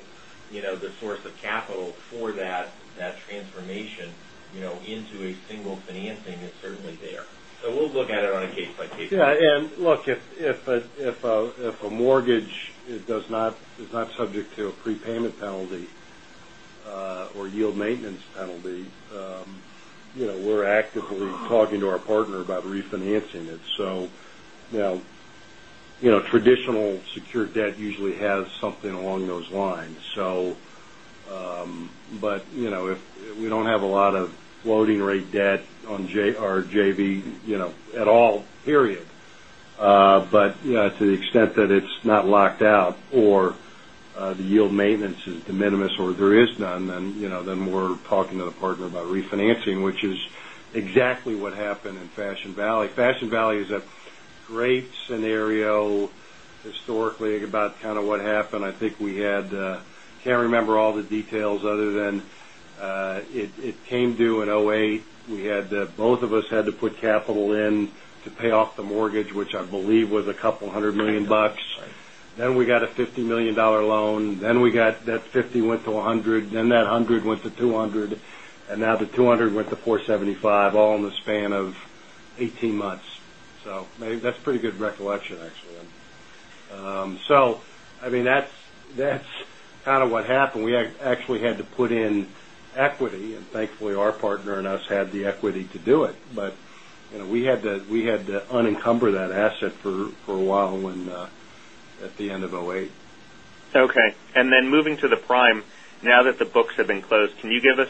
the source of capital for that transformation is not subject is not subject to a prepayment penalty or yield maintenance penalty, we're actively talking to our partner about refinancing it. So traditional secured debt usually has something along those lines. So, but we don't have a lot of floating rate debt on JV at all period. But to the extent it's not locked out or the yield maintenance is de minimis or there is none, then we're talking to the partner about refinancing, which is exactly what happened in Fashion Valley. Fashion Valley is a great scenario historically about kind of what happened. I think we had can't remember all the details other than it came due in 'eight. We had both of us had to put capital in to pay off the mortgage, which I believe was a couple of $100,000,000 Then we got a $50,000,000 loan. Then we got that $50,000,000 went to 100, then that $100,000,000 went to $200,000,000 and now the $200,000,000 went to $475,000,000 all in the span of 18 months. So maybe that's pretty good recollection actually. So I mean that's kind of what happened. We when at at the end of 'eight. Okay. And then moving to the prime, now that the books have been closed, can you give us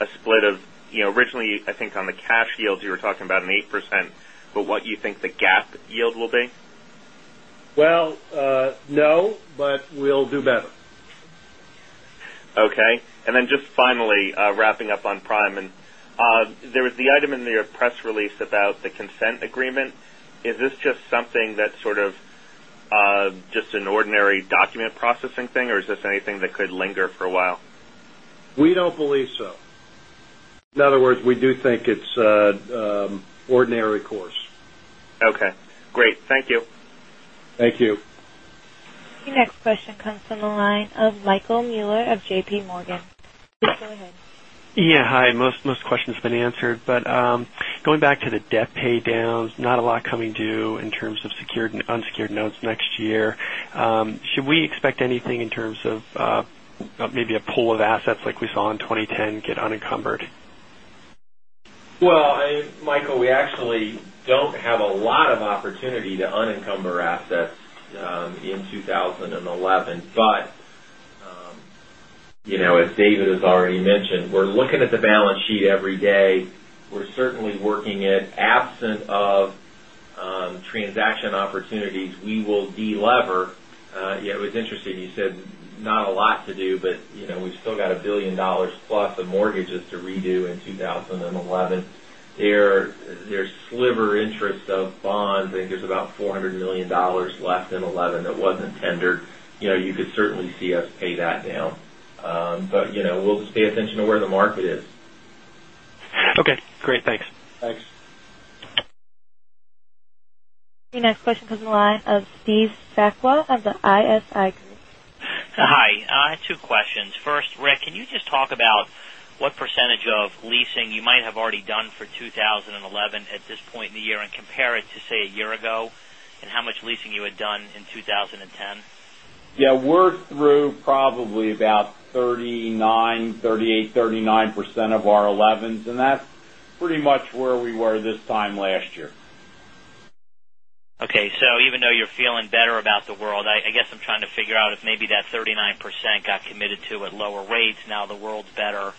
a split of originally I think on the cash yields you were talking about an 8%, but what you think the GAAP yield will be? Well, no, but we'll do better. Okay. And then just finally, wrapping up document processing thing or is this anything that could linger for a while? We don't believe so. In other words, we do it's ordinary course. Okay, great. Thank you. Thank you. Your next question comes from the line of Michael Mueller of JPMorgan. Please go ahead. Yes. Hi. Most questions have been answered. But going back to the debt pay downs, not a lot coming due in terms of secured and unsecured notes next year. Should we expect anything in terms of maybe a pool of assets like we saw in 2010 get unencumbered? Well, Michael, we actually don't have a lot of opportunity to unencumber assets at the balance sheet every day. We're certainly working at absent of transaction opportunities, we will delever. It was interesting, you said not a lot to do, but we still got $1,000,000,000 plus of mortgages to redo in 2011. There's sliver interest of bonds. I think there is about $400,000,000 left in 2011 that wasn't tendered. You could certainly see us pay that down. But we'll just pay attention to where the market is. Okay, great. Thanks. Thanks. Your next question comes from the line of Steve Sakwa the ISI Group. Hi. Two questions. First, Rick, can you just talk about what percentage of leasing you might have already for 2011 at this point in the year and compare it to say a year ago and how much leasing you had done in 2010? Yes. We're through probably about 39%, 38%, 39% of our 11% s and that's pretty much where we were this time last year. Okay. So even though you're feeling better about the world, I guess, I'm trying to figure out if maybe that 39% got committed to at lower rates, now the world's better?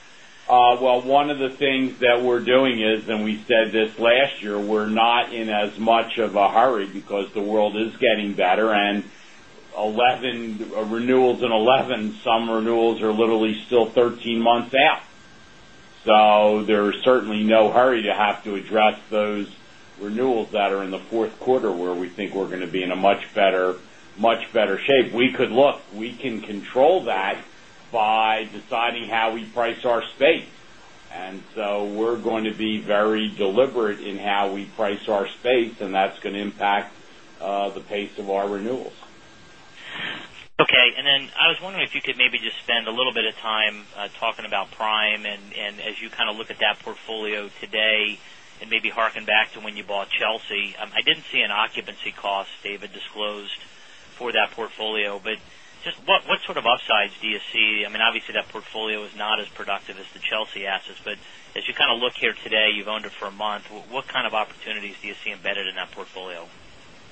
Well, one of the things that we're doing is and we said this last year, we're not in as much of a hurry because the world is getting better and renewals in 2011, some renewals are literally still 13 months out. So there is certainly no hurry to have to address those renewals that are in the Q4 where we think we're going to be in a much better shape. We could look. We can control that by deciding how we price our space. And so we're going to be very deliberate in how we price our space, and that's going to impact the pace of our renewals. Okay. And then I was wondering if you could maybe just spend a little bit of time talking about Prime. And as you kind of look at that portfolio today and maybe hearken back to when you bought Chelsea, I didn't see an occupancy cost David disclosed for that portfolio. But just what sort of upsides do you see? I mean, obviously, that portfolio is not as productive as the Chelsea assets. But as you kind of look here today, you've owned it for a month. What kind of opportunities do you see embedded in that portfolio?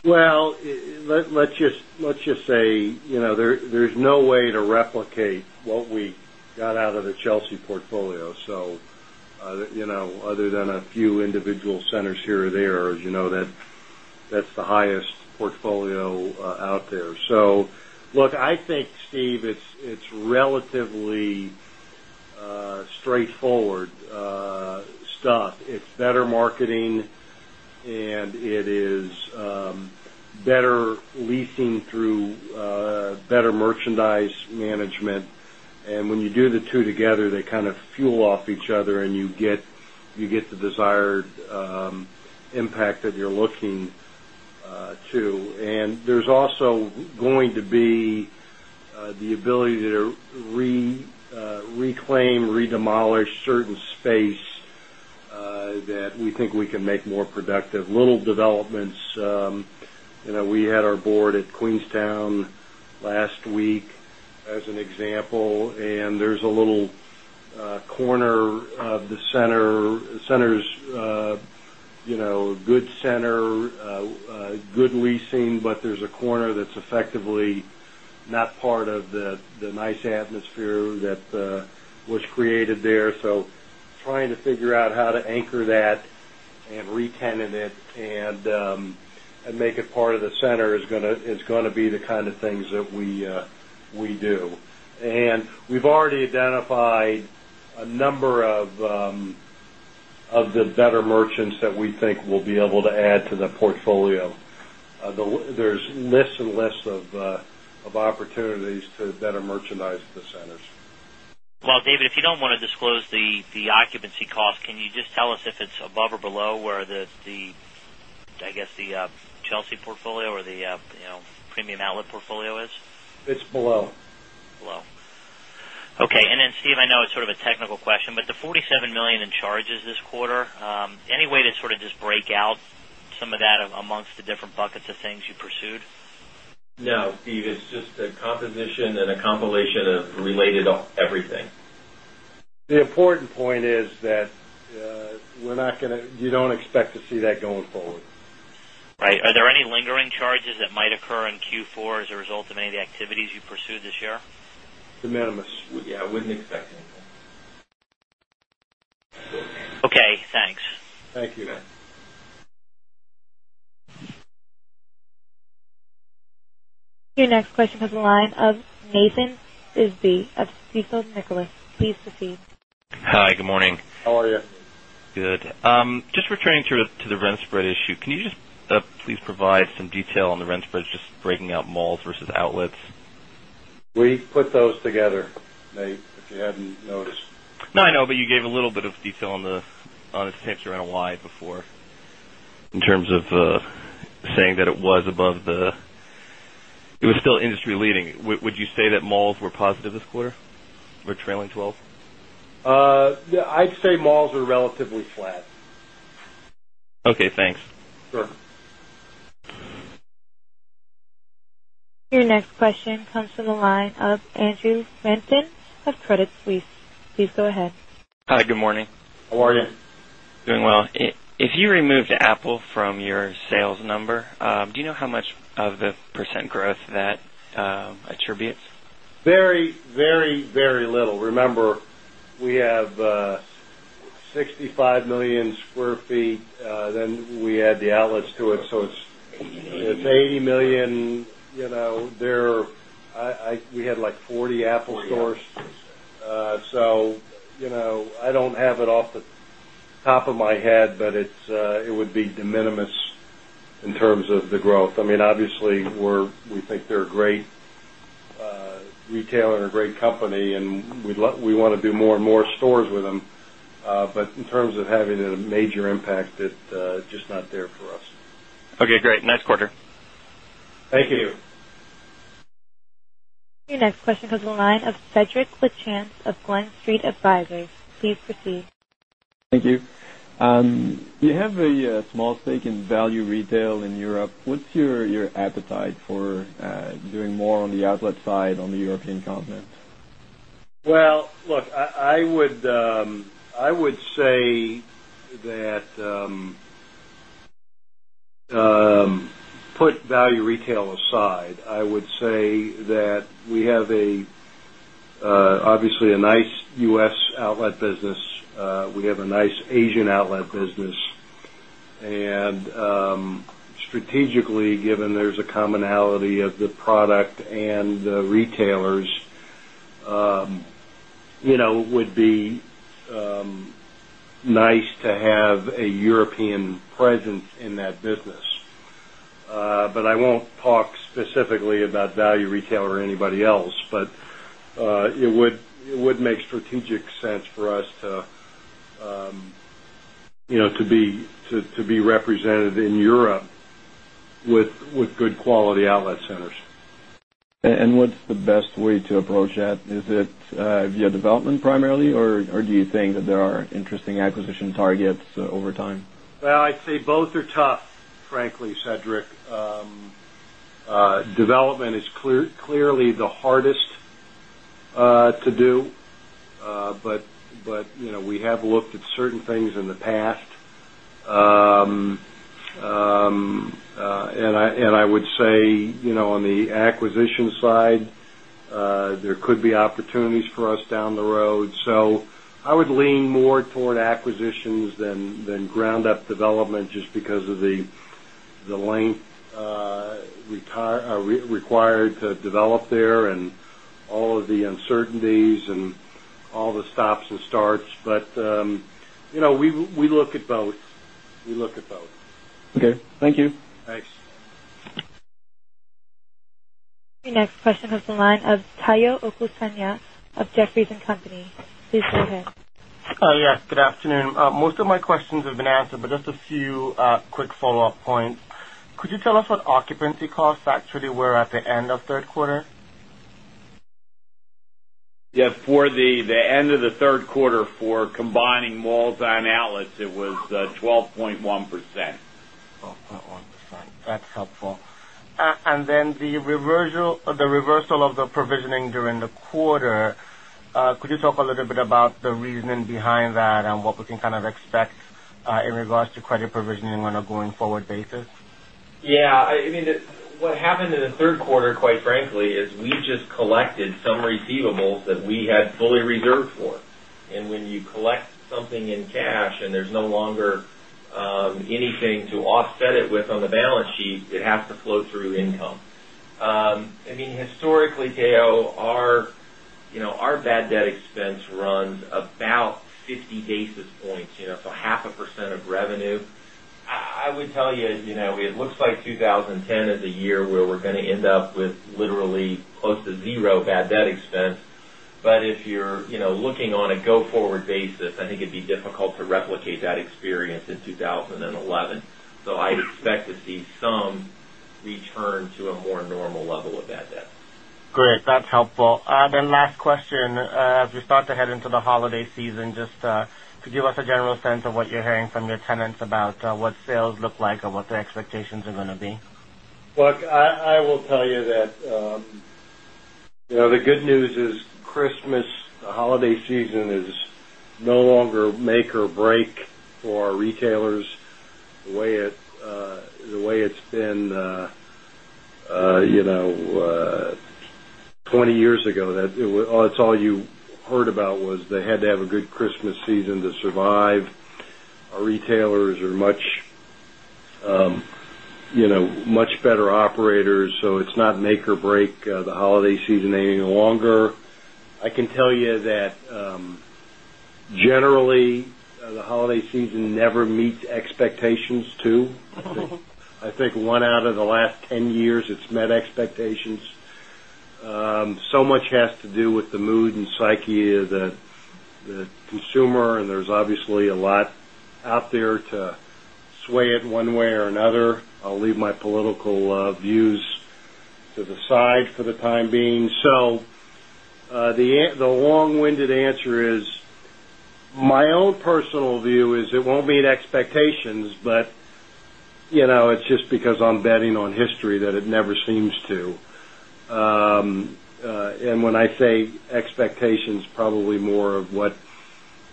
Well, let's just say there's no way to replicate what we got out of the Chelsea portfolio. So other than a few individual centers here or there, as you know that's the highest portfolio out there. So look, I think Steve, it's relatively straightforward stuff. It's better marketing and it is better leasing through better merchandise management. And when you do the 2 together, they kind of fuel off each other and you get the desired impact that you're looking to. And there's also going to be the ability to reclaim, redemolish certain space that we think we can make more productive. Little developments, corner of the corner of the center, center is good center, good leasing, but there's a corner that's effectively not part of the nice atmosphere that was created there. So trying to figure out how to anchor that and re tenant it and make it part of the center is going to be the of things that we do. And we've already identified a number of the better merchants that we think will be able to add to the portfolio. There's less and less of opportunities to better merchandise the centers. Well, David, if you don't want to disclose the occupancy cost, can you just tell us if it's above or below where the I guess the Chelsea portfolio or the premium outlet portfolio is? It's below. Below. Okay. And then Steve, I know it's sort of a technical question, but the $47,000,000 in charges this quarter, any way to sort of just break out some of that amongst the different buckets of things you pursued? No, Steve. It's just a composition and a compilation of related everything. The important point is that we're not going to you don't expect to see that going forward. Are there any lingering charges that might occur in Q4 as a result of any of the activities you pursued this year? De minimis. Yes, I wouldn't expect Okay. Thanks. Thank you, Matt. Your next question comes from the line of Nathan Bisbee of Stifel Nicolaus. Please proceed. Hi, good morning. How are you? Good. Just returning to the rent spread issue, can you just please provide some detail on the rent spreads just breaking out malls versus outlets? We put those together, Nate, if you hadn't noticed. No, I know, but you gave a little bit of detail on the on the stamps around why before in terms of saying that it was above the it was still industry leading. Would you say that malls were positive this quarter or trailing 12? I'd say malls are relatively flat. Okay. Thanks. Sure. Your next question comes from the line of Andrew Stanton of Credit Suisse. Please go ahead. Hi, good morning. How are you? Doing well. If you removed Apple from your sales number, do you know how much of the percent growth that percent growth that attributes? Very, very, very little. Remember, we have 65 1,000,000 square feet, then we add the outlets to it. So it's $80,000,000 There, we had like 40 Apple stores. So I don't have it off the top of my head, but it would be de minimis in terms of the growth. I Obviously, we think they're a great retailer and a great company and we want to do more and more stores with them. But in terms of having a major impact, it's just not there for us. Okay, great. Nice quarter. Thank you. Your next question comes from the line of Cedric Lachance of Glen Street Advisors. Please proceed. Thank you. You have a small stake in value retail in Europe. What's your appetite for doing more on the outlet side on the European continent? Well, look, I would say that put value retail aside, I would say that we have a obviously a nice U. S. Outlet business. We have a nice Asian outlet business. And strategically given there is a commonality of the product and retailers, it would be nice to have a European presence in that business. But I won't talk specifically about value retail or anybody else. But it would make strategic sense for us to be represented in Europe with good quality outlet centers. And what's the best way to approach that? Is it via development primarily? Or do you think that there are interesting acquisition targets over time? Well, I'd say both are tough, frankly, Cedric. Development is clearly the hardest to do, but we have looked at certain things in the past. And I would say on the acquisition side, there could be opportunities for us down the road. So I would lean more toward develop there and all of the uncertainties and to develop there and all of the uncertainties and all the stops and starts. But we look at both. We look at both. Okay. Thank you. Thanks. Your next question is from the line of Tayo Okusanya of Jefferies and Company. Please go ahead. Yes. Good afternoon. Most of my questions have been answered, but just a few quick follow-up points. Could you tell us what occupancy costs actually were at the end of Q3? Yes. For the end of Q3 for combining malls on outlets, it was 12.1%. 12.1%. That's helpful. And then the reversal of the provisioning during the quarter, could you talk a little bit about the reasoning behind that and what we can kind of expect in regards to credit provisioning on a going forward basis? Yes. I mean, what happened in the Q3, quite frankly, is we just collected some receivables that we had fully reserved for. And when you collect something in cash and there's no longer to offset it with on the balance sheet, it has to flow through income. I mean historically Tayo, our bad debt expense runs about 50 basis points, so 0.5 percent of revenue. I would tell you, it looks like 2010 is a year where we're going to end up with literally close to 0 bad debt expense. But if you're looking on a go forward basis, I think it'd be difficult to replicate that experience in 2011. So I expect to see some return to a more normal level of bad debt. Great. That's helpful. Then last question. As we start to head into the holiday season, just give us a general sense of what you're hearing from your tenants about what sales look like or what their expectations are going to be? Look, I will tell you that the good news is Christmas holiday season is no longer make or break for retailers the way it's been 20 years ago. That's all you heard about was they had to have a good Christmas season to survive. Our retailers are much better operators. So it's not make or break the holiday season any longer. I can tell you that generally the holiday season never meets expectations too. I think one out of the last 10 years it's met expectations. So much has to do with the mood and psyche of the consumer and there's obviously a lot out there to sway it one way or another. I'll leave my political views to the side for the time being. So the long winded answer is my own personal view is it won't meet expectations, but it's just because I'm betting on history that it never seems to. And when I say expectations, and when I say expectations, probably more of what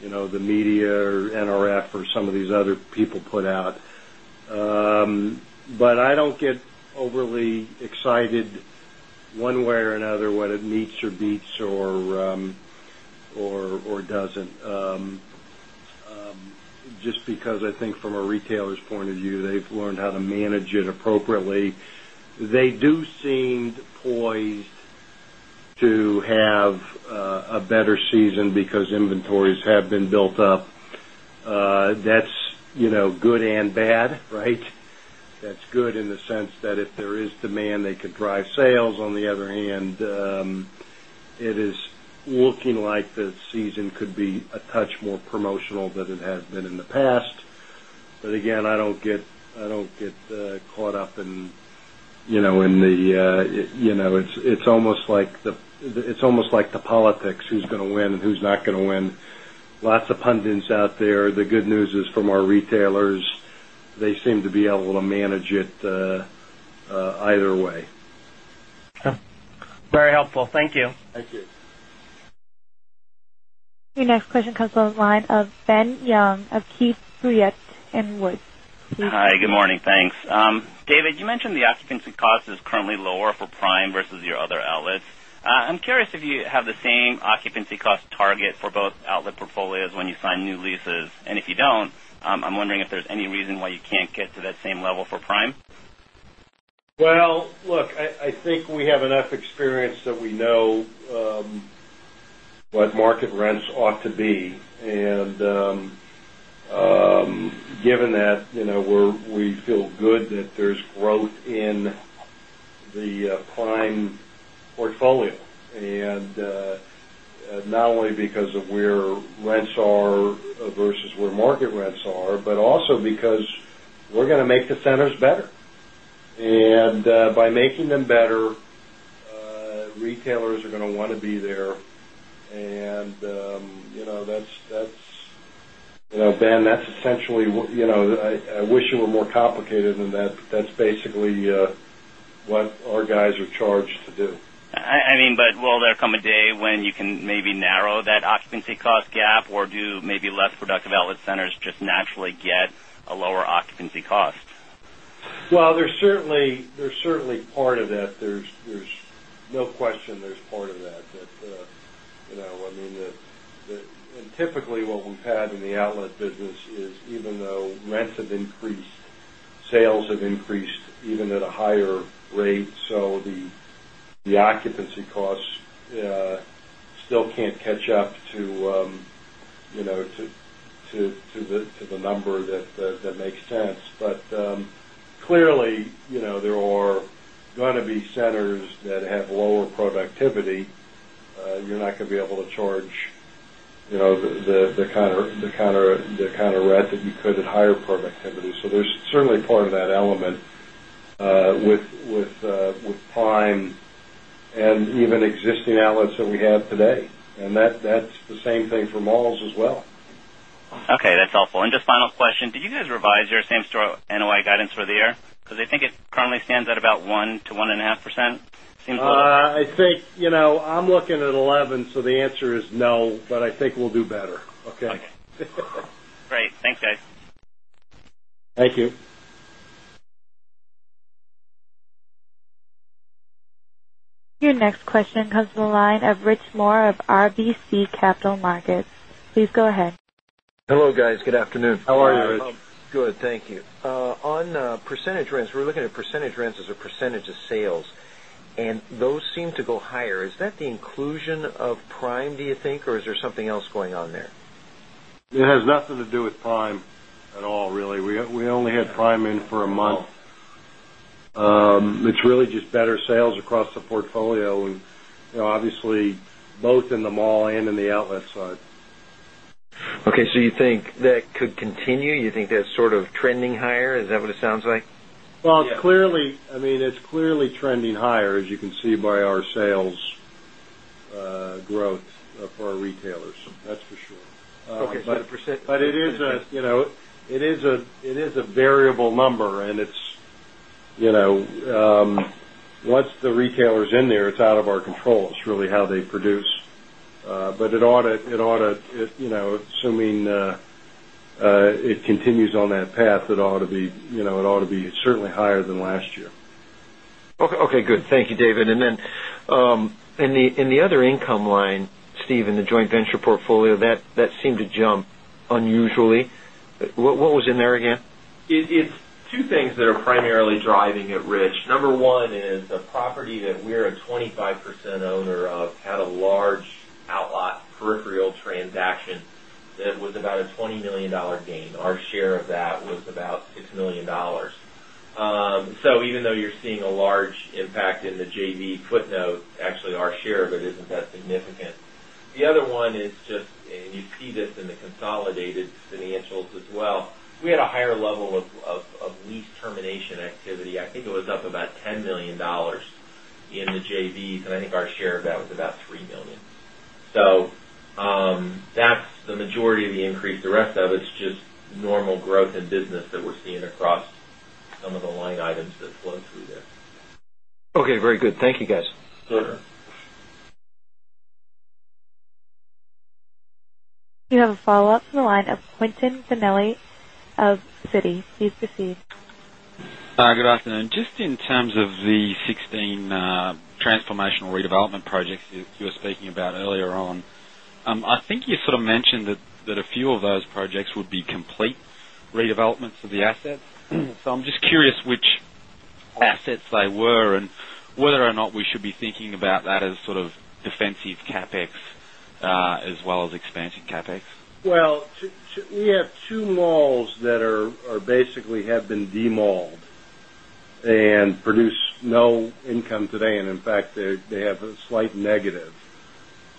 the media or NRF or some of these other people put out. But I don't get overly excited one way or another whether it meets or beats or doesn't just because I think from a retailer's point of view, they've learned how to manage it appropriately. They do seem poised to have a better season because inventories have been built up. That's good and bad, right? That's good in the sense that if there is demand, they could drive sales. On the other hand, it is looking like the season could be a touch more promotional than it has been in the past. But again, I don't get caught up in the it's almost like the politics who's going to win and who's not going to win. Lots of pundits out there. The good news is from our retailers, they seem to be able to manage it either way. Very helpful. Thank you. Thank you. Your next question comes from the line of Ben Young of Keefe Bruyette and Woods. David, you mentioned the occupancy cost is currently lower for prime versus your other outlets. I'm curious if you have the same occupancy cost target for both outlet portfolios when you sign new leases. And if you don't, I'm wondering if there's any reason why you can't get to that same level for prime? Well, look, I think we have enough experience that we know what market rents ought to be. And given that, we feel good that there is growth in the prime portfolio. And not only because of where rents are versus where market rents are, but also because we're going to make the centers better. And by making them better, retailers are going to want to be there. And that's essentially I wish it were more complicated than that. That's basically what our guys are charged to do. I mean, but will there come a day when you can maybe narrow that occupancy cost gap or do maybe less productive outlet centers just naturally get a lower occupancy cost? Well, there's certainly part of that. There's no question there's part of that. I mean, and typically what we've had in the outlet business is even though rents have increased, sales have increased even at a higher rate. So the occupancy costs still can't catch up to the number that makes sense. But clearly, there are going to be centers that have lower productivity. You're not going to be able to charge the kind of rent that you could at higher productivity. So there's certainly part of that element with prime and even existing outlets that we have today. And that's the same thing for malls as well. Okay. That's helpful. And just final question. Did you guys revise your same store NOI guidance for the year? Because I think it currently stands at about 1% to 1.5% seems a little bit I think I'm looking at 11%, so the answer is no, but I think we'll do better. Okay? Okay. Great. Thanks guys. Thank you. Your next question comes from the line of Rich Moore of RBC Capital Markets. Please go ahead. Hello, guys. Good afternoon. How are you, Rich? Good. Thank you. On percentage rents, we're looking at percentage rents as a percentage of sales and those seem to go higher. Is that the inclusion of Prime do you think or is there something else going on there? It has nothing to do with Prime at all really. We only had prime in for a month. It's really just better sales across the portfolio and obviously both in mall and in the outlet side. Okay. So you think that could continue, you think that's sort of trending higher, is that what it sounds like? Well, clearly, I mean, clearly trending higher as you can see by our sales growth for our retailers, that's for sure. But it is a variable number and it's once the retailer is in there, it's out of our control. It's really how they produce. But it ought to assuming it continues on that path that ought to be certainly higher than last year. Okay, good. Thank you, David. And then in the other income line, Steve, in the joint venture portfolio that seemed to jump unusually. What was in there again? It's 2 things that are primarily driving it, Rich. Number 1 is the property that we are a 25% owner of had a large outlot peripheral transaction that was about a $20,000,000 gain. Our share of that was about $6,000,000 So even though you're seeing a large impact in the JV footnote, actually our share of it isn't that significant. The other one is just and you see this in the consolidated financials as well. We had a higher level of lease termination activity. I think it was up about $10,000,000 in the JVs and I think our share of that was about $1,000,000 So that's the majority of the increase. The rest of it's just normal growth in business that we're seeing across some of the line items that flow through there. Okay. Very good. Thank you, guys. Sure. You have a follow-up from the line of Quentin Ganelli of Citi. Please proceed. Good afternoon. Just in terms of the 16 transformational redevelopment projects you were speaking about earlier on, I think you sort of mentioned that a few of those projects would be complete redevelopments of the assets. So I'm just curious which assets they were and whether or not we should be thinking about that as sort of expansion CapEx? Well, we have 2 malls that are basically have been demalled and produce no income today and in fact they have a slight negative.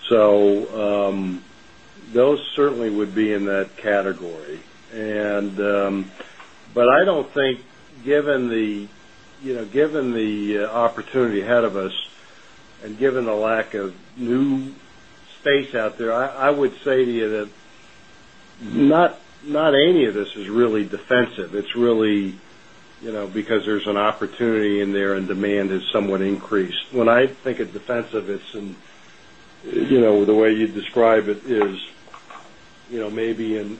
So those certainly would be in that category. And but I don't think given the opportunity ahead of us and given the lack of new space out there, I would say to you that not any of this is really defensive. It's really because there's an opportunity in there and demand is somewhat increased. When I think of defensive, it's in the way you describe it is maybe in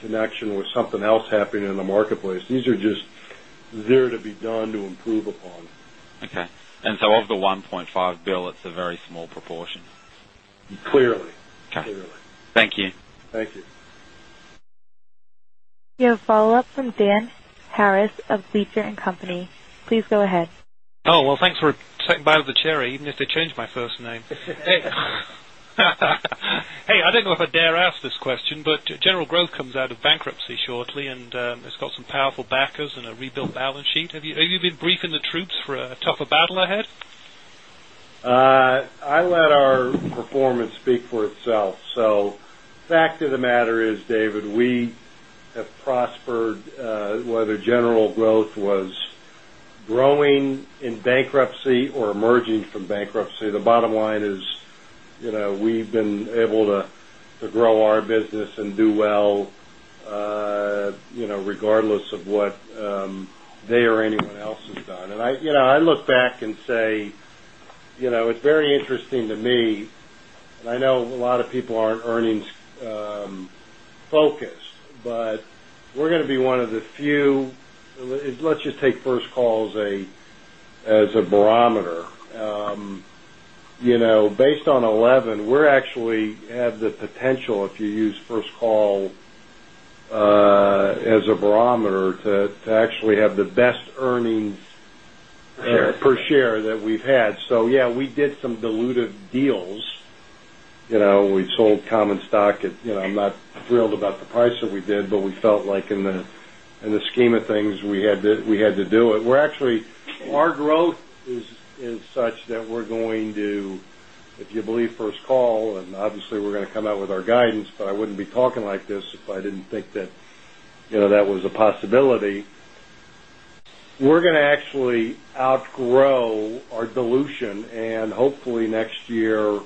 connection with something else happening in the marketplace. These are just there to be done to improve upon. Okay. And so of the $1,500,000,000 it's a very small proportion? Clearly. Okay. Clearly. Thank you. Thank you. We have a follow-up from Dan Harris of Leach and Company. Please go ahead. Well, thanks for taking the cherry, even if they changed my first name. I don't know if I dare ask this question, but general growth comes out of bankruptcy I let our performance speak for itself. So fact of the matter is, David, we have prospered whether general growth was growing in bankruptcy or emerging from bankruptcy. The bottom line is we've been able to grow our business and do well regardless of what they or anyone else has done. And I look back and say, it's very interesting to me and I know a lot of people aren't earnings focused, but we're going to be one of the few, let's just take First Call as a barometer. Based on 11, we actually have the potential if you use first call as a barometer to actually have the best earnings per share that we've had. So yes, we did some dilutive deals. We sold common stock. I'm not thrilled about the price that we did, but we felt like in the scheme of things we had to do it. We're actually our growth is such that we're going to, if you believe first call and obviously we're going to come out with our guidance, but I wouldn't be talking like this if I didn't think that that was a possibility. We're going to actually outgrow our dilution and hopefully next year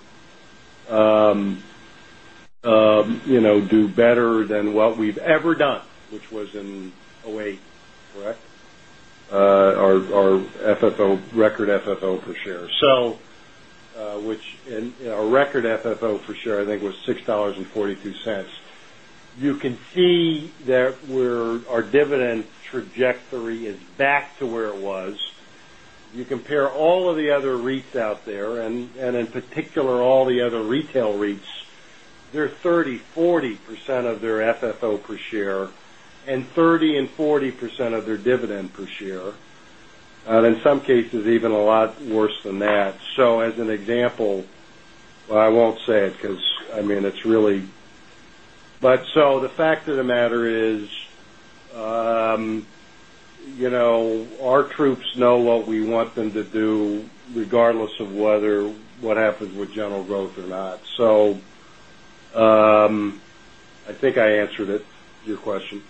do better than what we've ever done, which was in 2008, correct? Our FFO record FFO per share. So, which our record FFO per share, I think, was $6.42 You can see that where our dividend trajectory is back to where it was. You compare all of the other REITs out there and in particular all the other retail REITs, they're 30%, 40% of their FFO per share and 30% 40% of their dividend per share. And in some cases, even a lot worse than that. So as an example, I won't say it because I mean it's really but so the fact of the matter is our troops know what we want them to do regardless of whether what happens with general growth or not. So I think I answered it your question.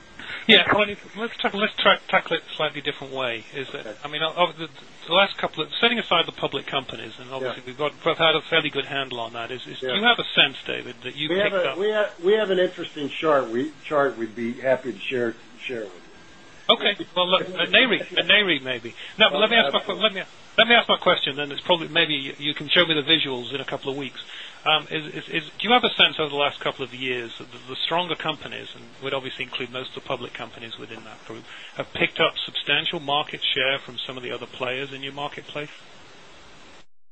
Yes. Let's tackle it slightly different way. I mean, the last couple aside the public companies and obviously we've got we've had a fairly good handle on that. Do you have a sense, David, that you've picked up? We have an interesting chart we'd be happy to share with you. Okay. Well, look, NAREIT maybe. Now let me ask my question then it's probably maybe you can show me the visuals in a couple of weeks. Do you have a sense over the last couple of years, the stronger companies and would obviously include most of the public companies within that group have picked up substantial market share from some of the other players in your marketplace?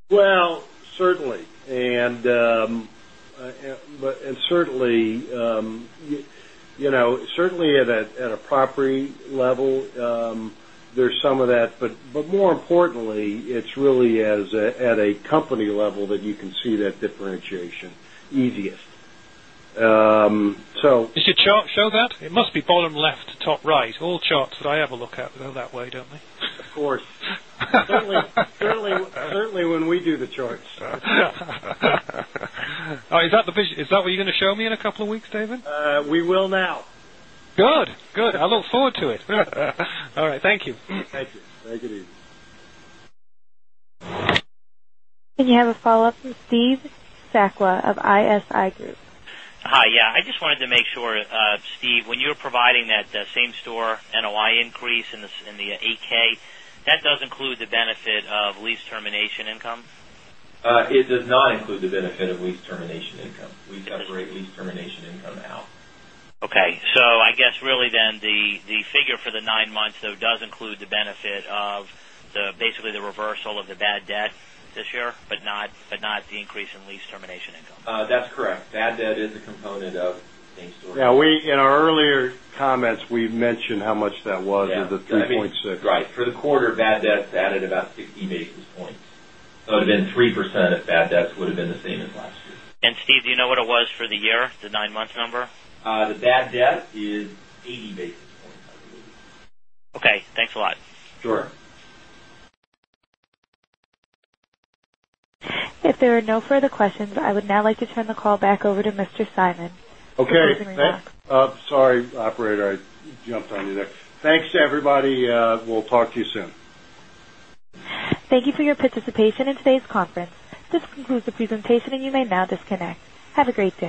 Well, certainly. And certainly at a property level, there is some of that. But more importantly, it's really as at a company level that you can see that differentiation, easiest. So Does your chart show that? It must be bottom left to top right. All charts that I ever look at go that way, don't they? Of course. Certainly, when we do the charts. Is that what you're going to show me in a couple of weeks, David? Will now. Good. Good. I look forward to it. All right. Thank you. Thank you. Thank you, David. And you have a And you have a follow-up from Steve Sakwa of ISI Group. Hi. Yes. I just wanted to make sure, Steve, when you're providing that same store NOI increase in the 8 ks, that does include the benefit of lease termination income? It does not include the benefit of lease termination income. We separate lease termination income out. Okay. So I guess really then the figure for the basically the reversal of the bad debt this year, but not the increase in lease termination income? That's correct. Bad debt is a component of same store. Now, we in our earlier comments, we mentioned how much that was, the 3.6%. Right. For the quarter, bad debt added about 60 basis points. That would have been 3% if bad debt would have been the same as last year. And Steve, do you know what it was for the year, the 9 months number? The bad debt is 80 basis points, I believe. Okay. Thanks a lot. Sure. If there are no further questions, I would now like to turn the call back over to Mr. Simon. Okay. Thanks. Sorry, operator, I jumped on you there. Thanks to everybody. We'll talk to you soon. Thank you for your participation in today's conference. This concludes the presentation and you may now disconnect. Have a great day.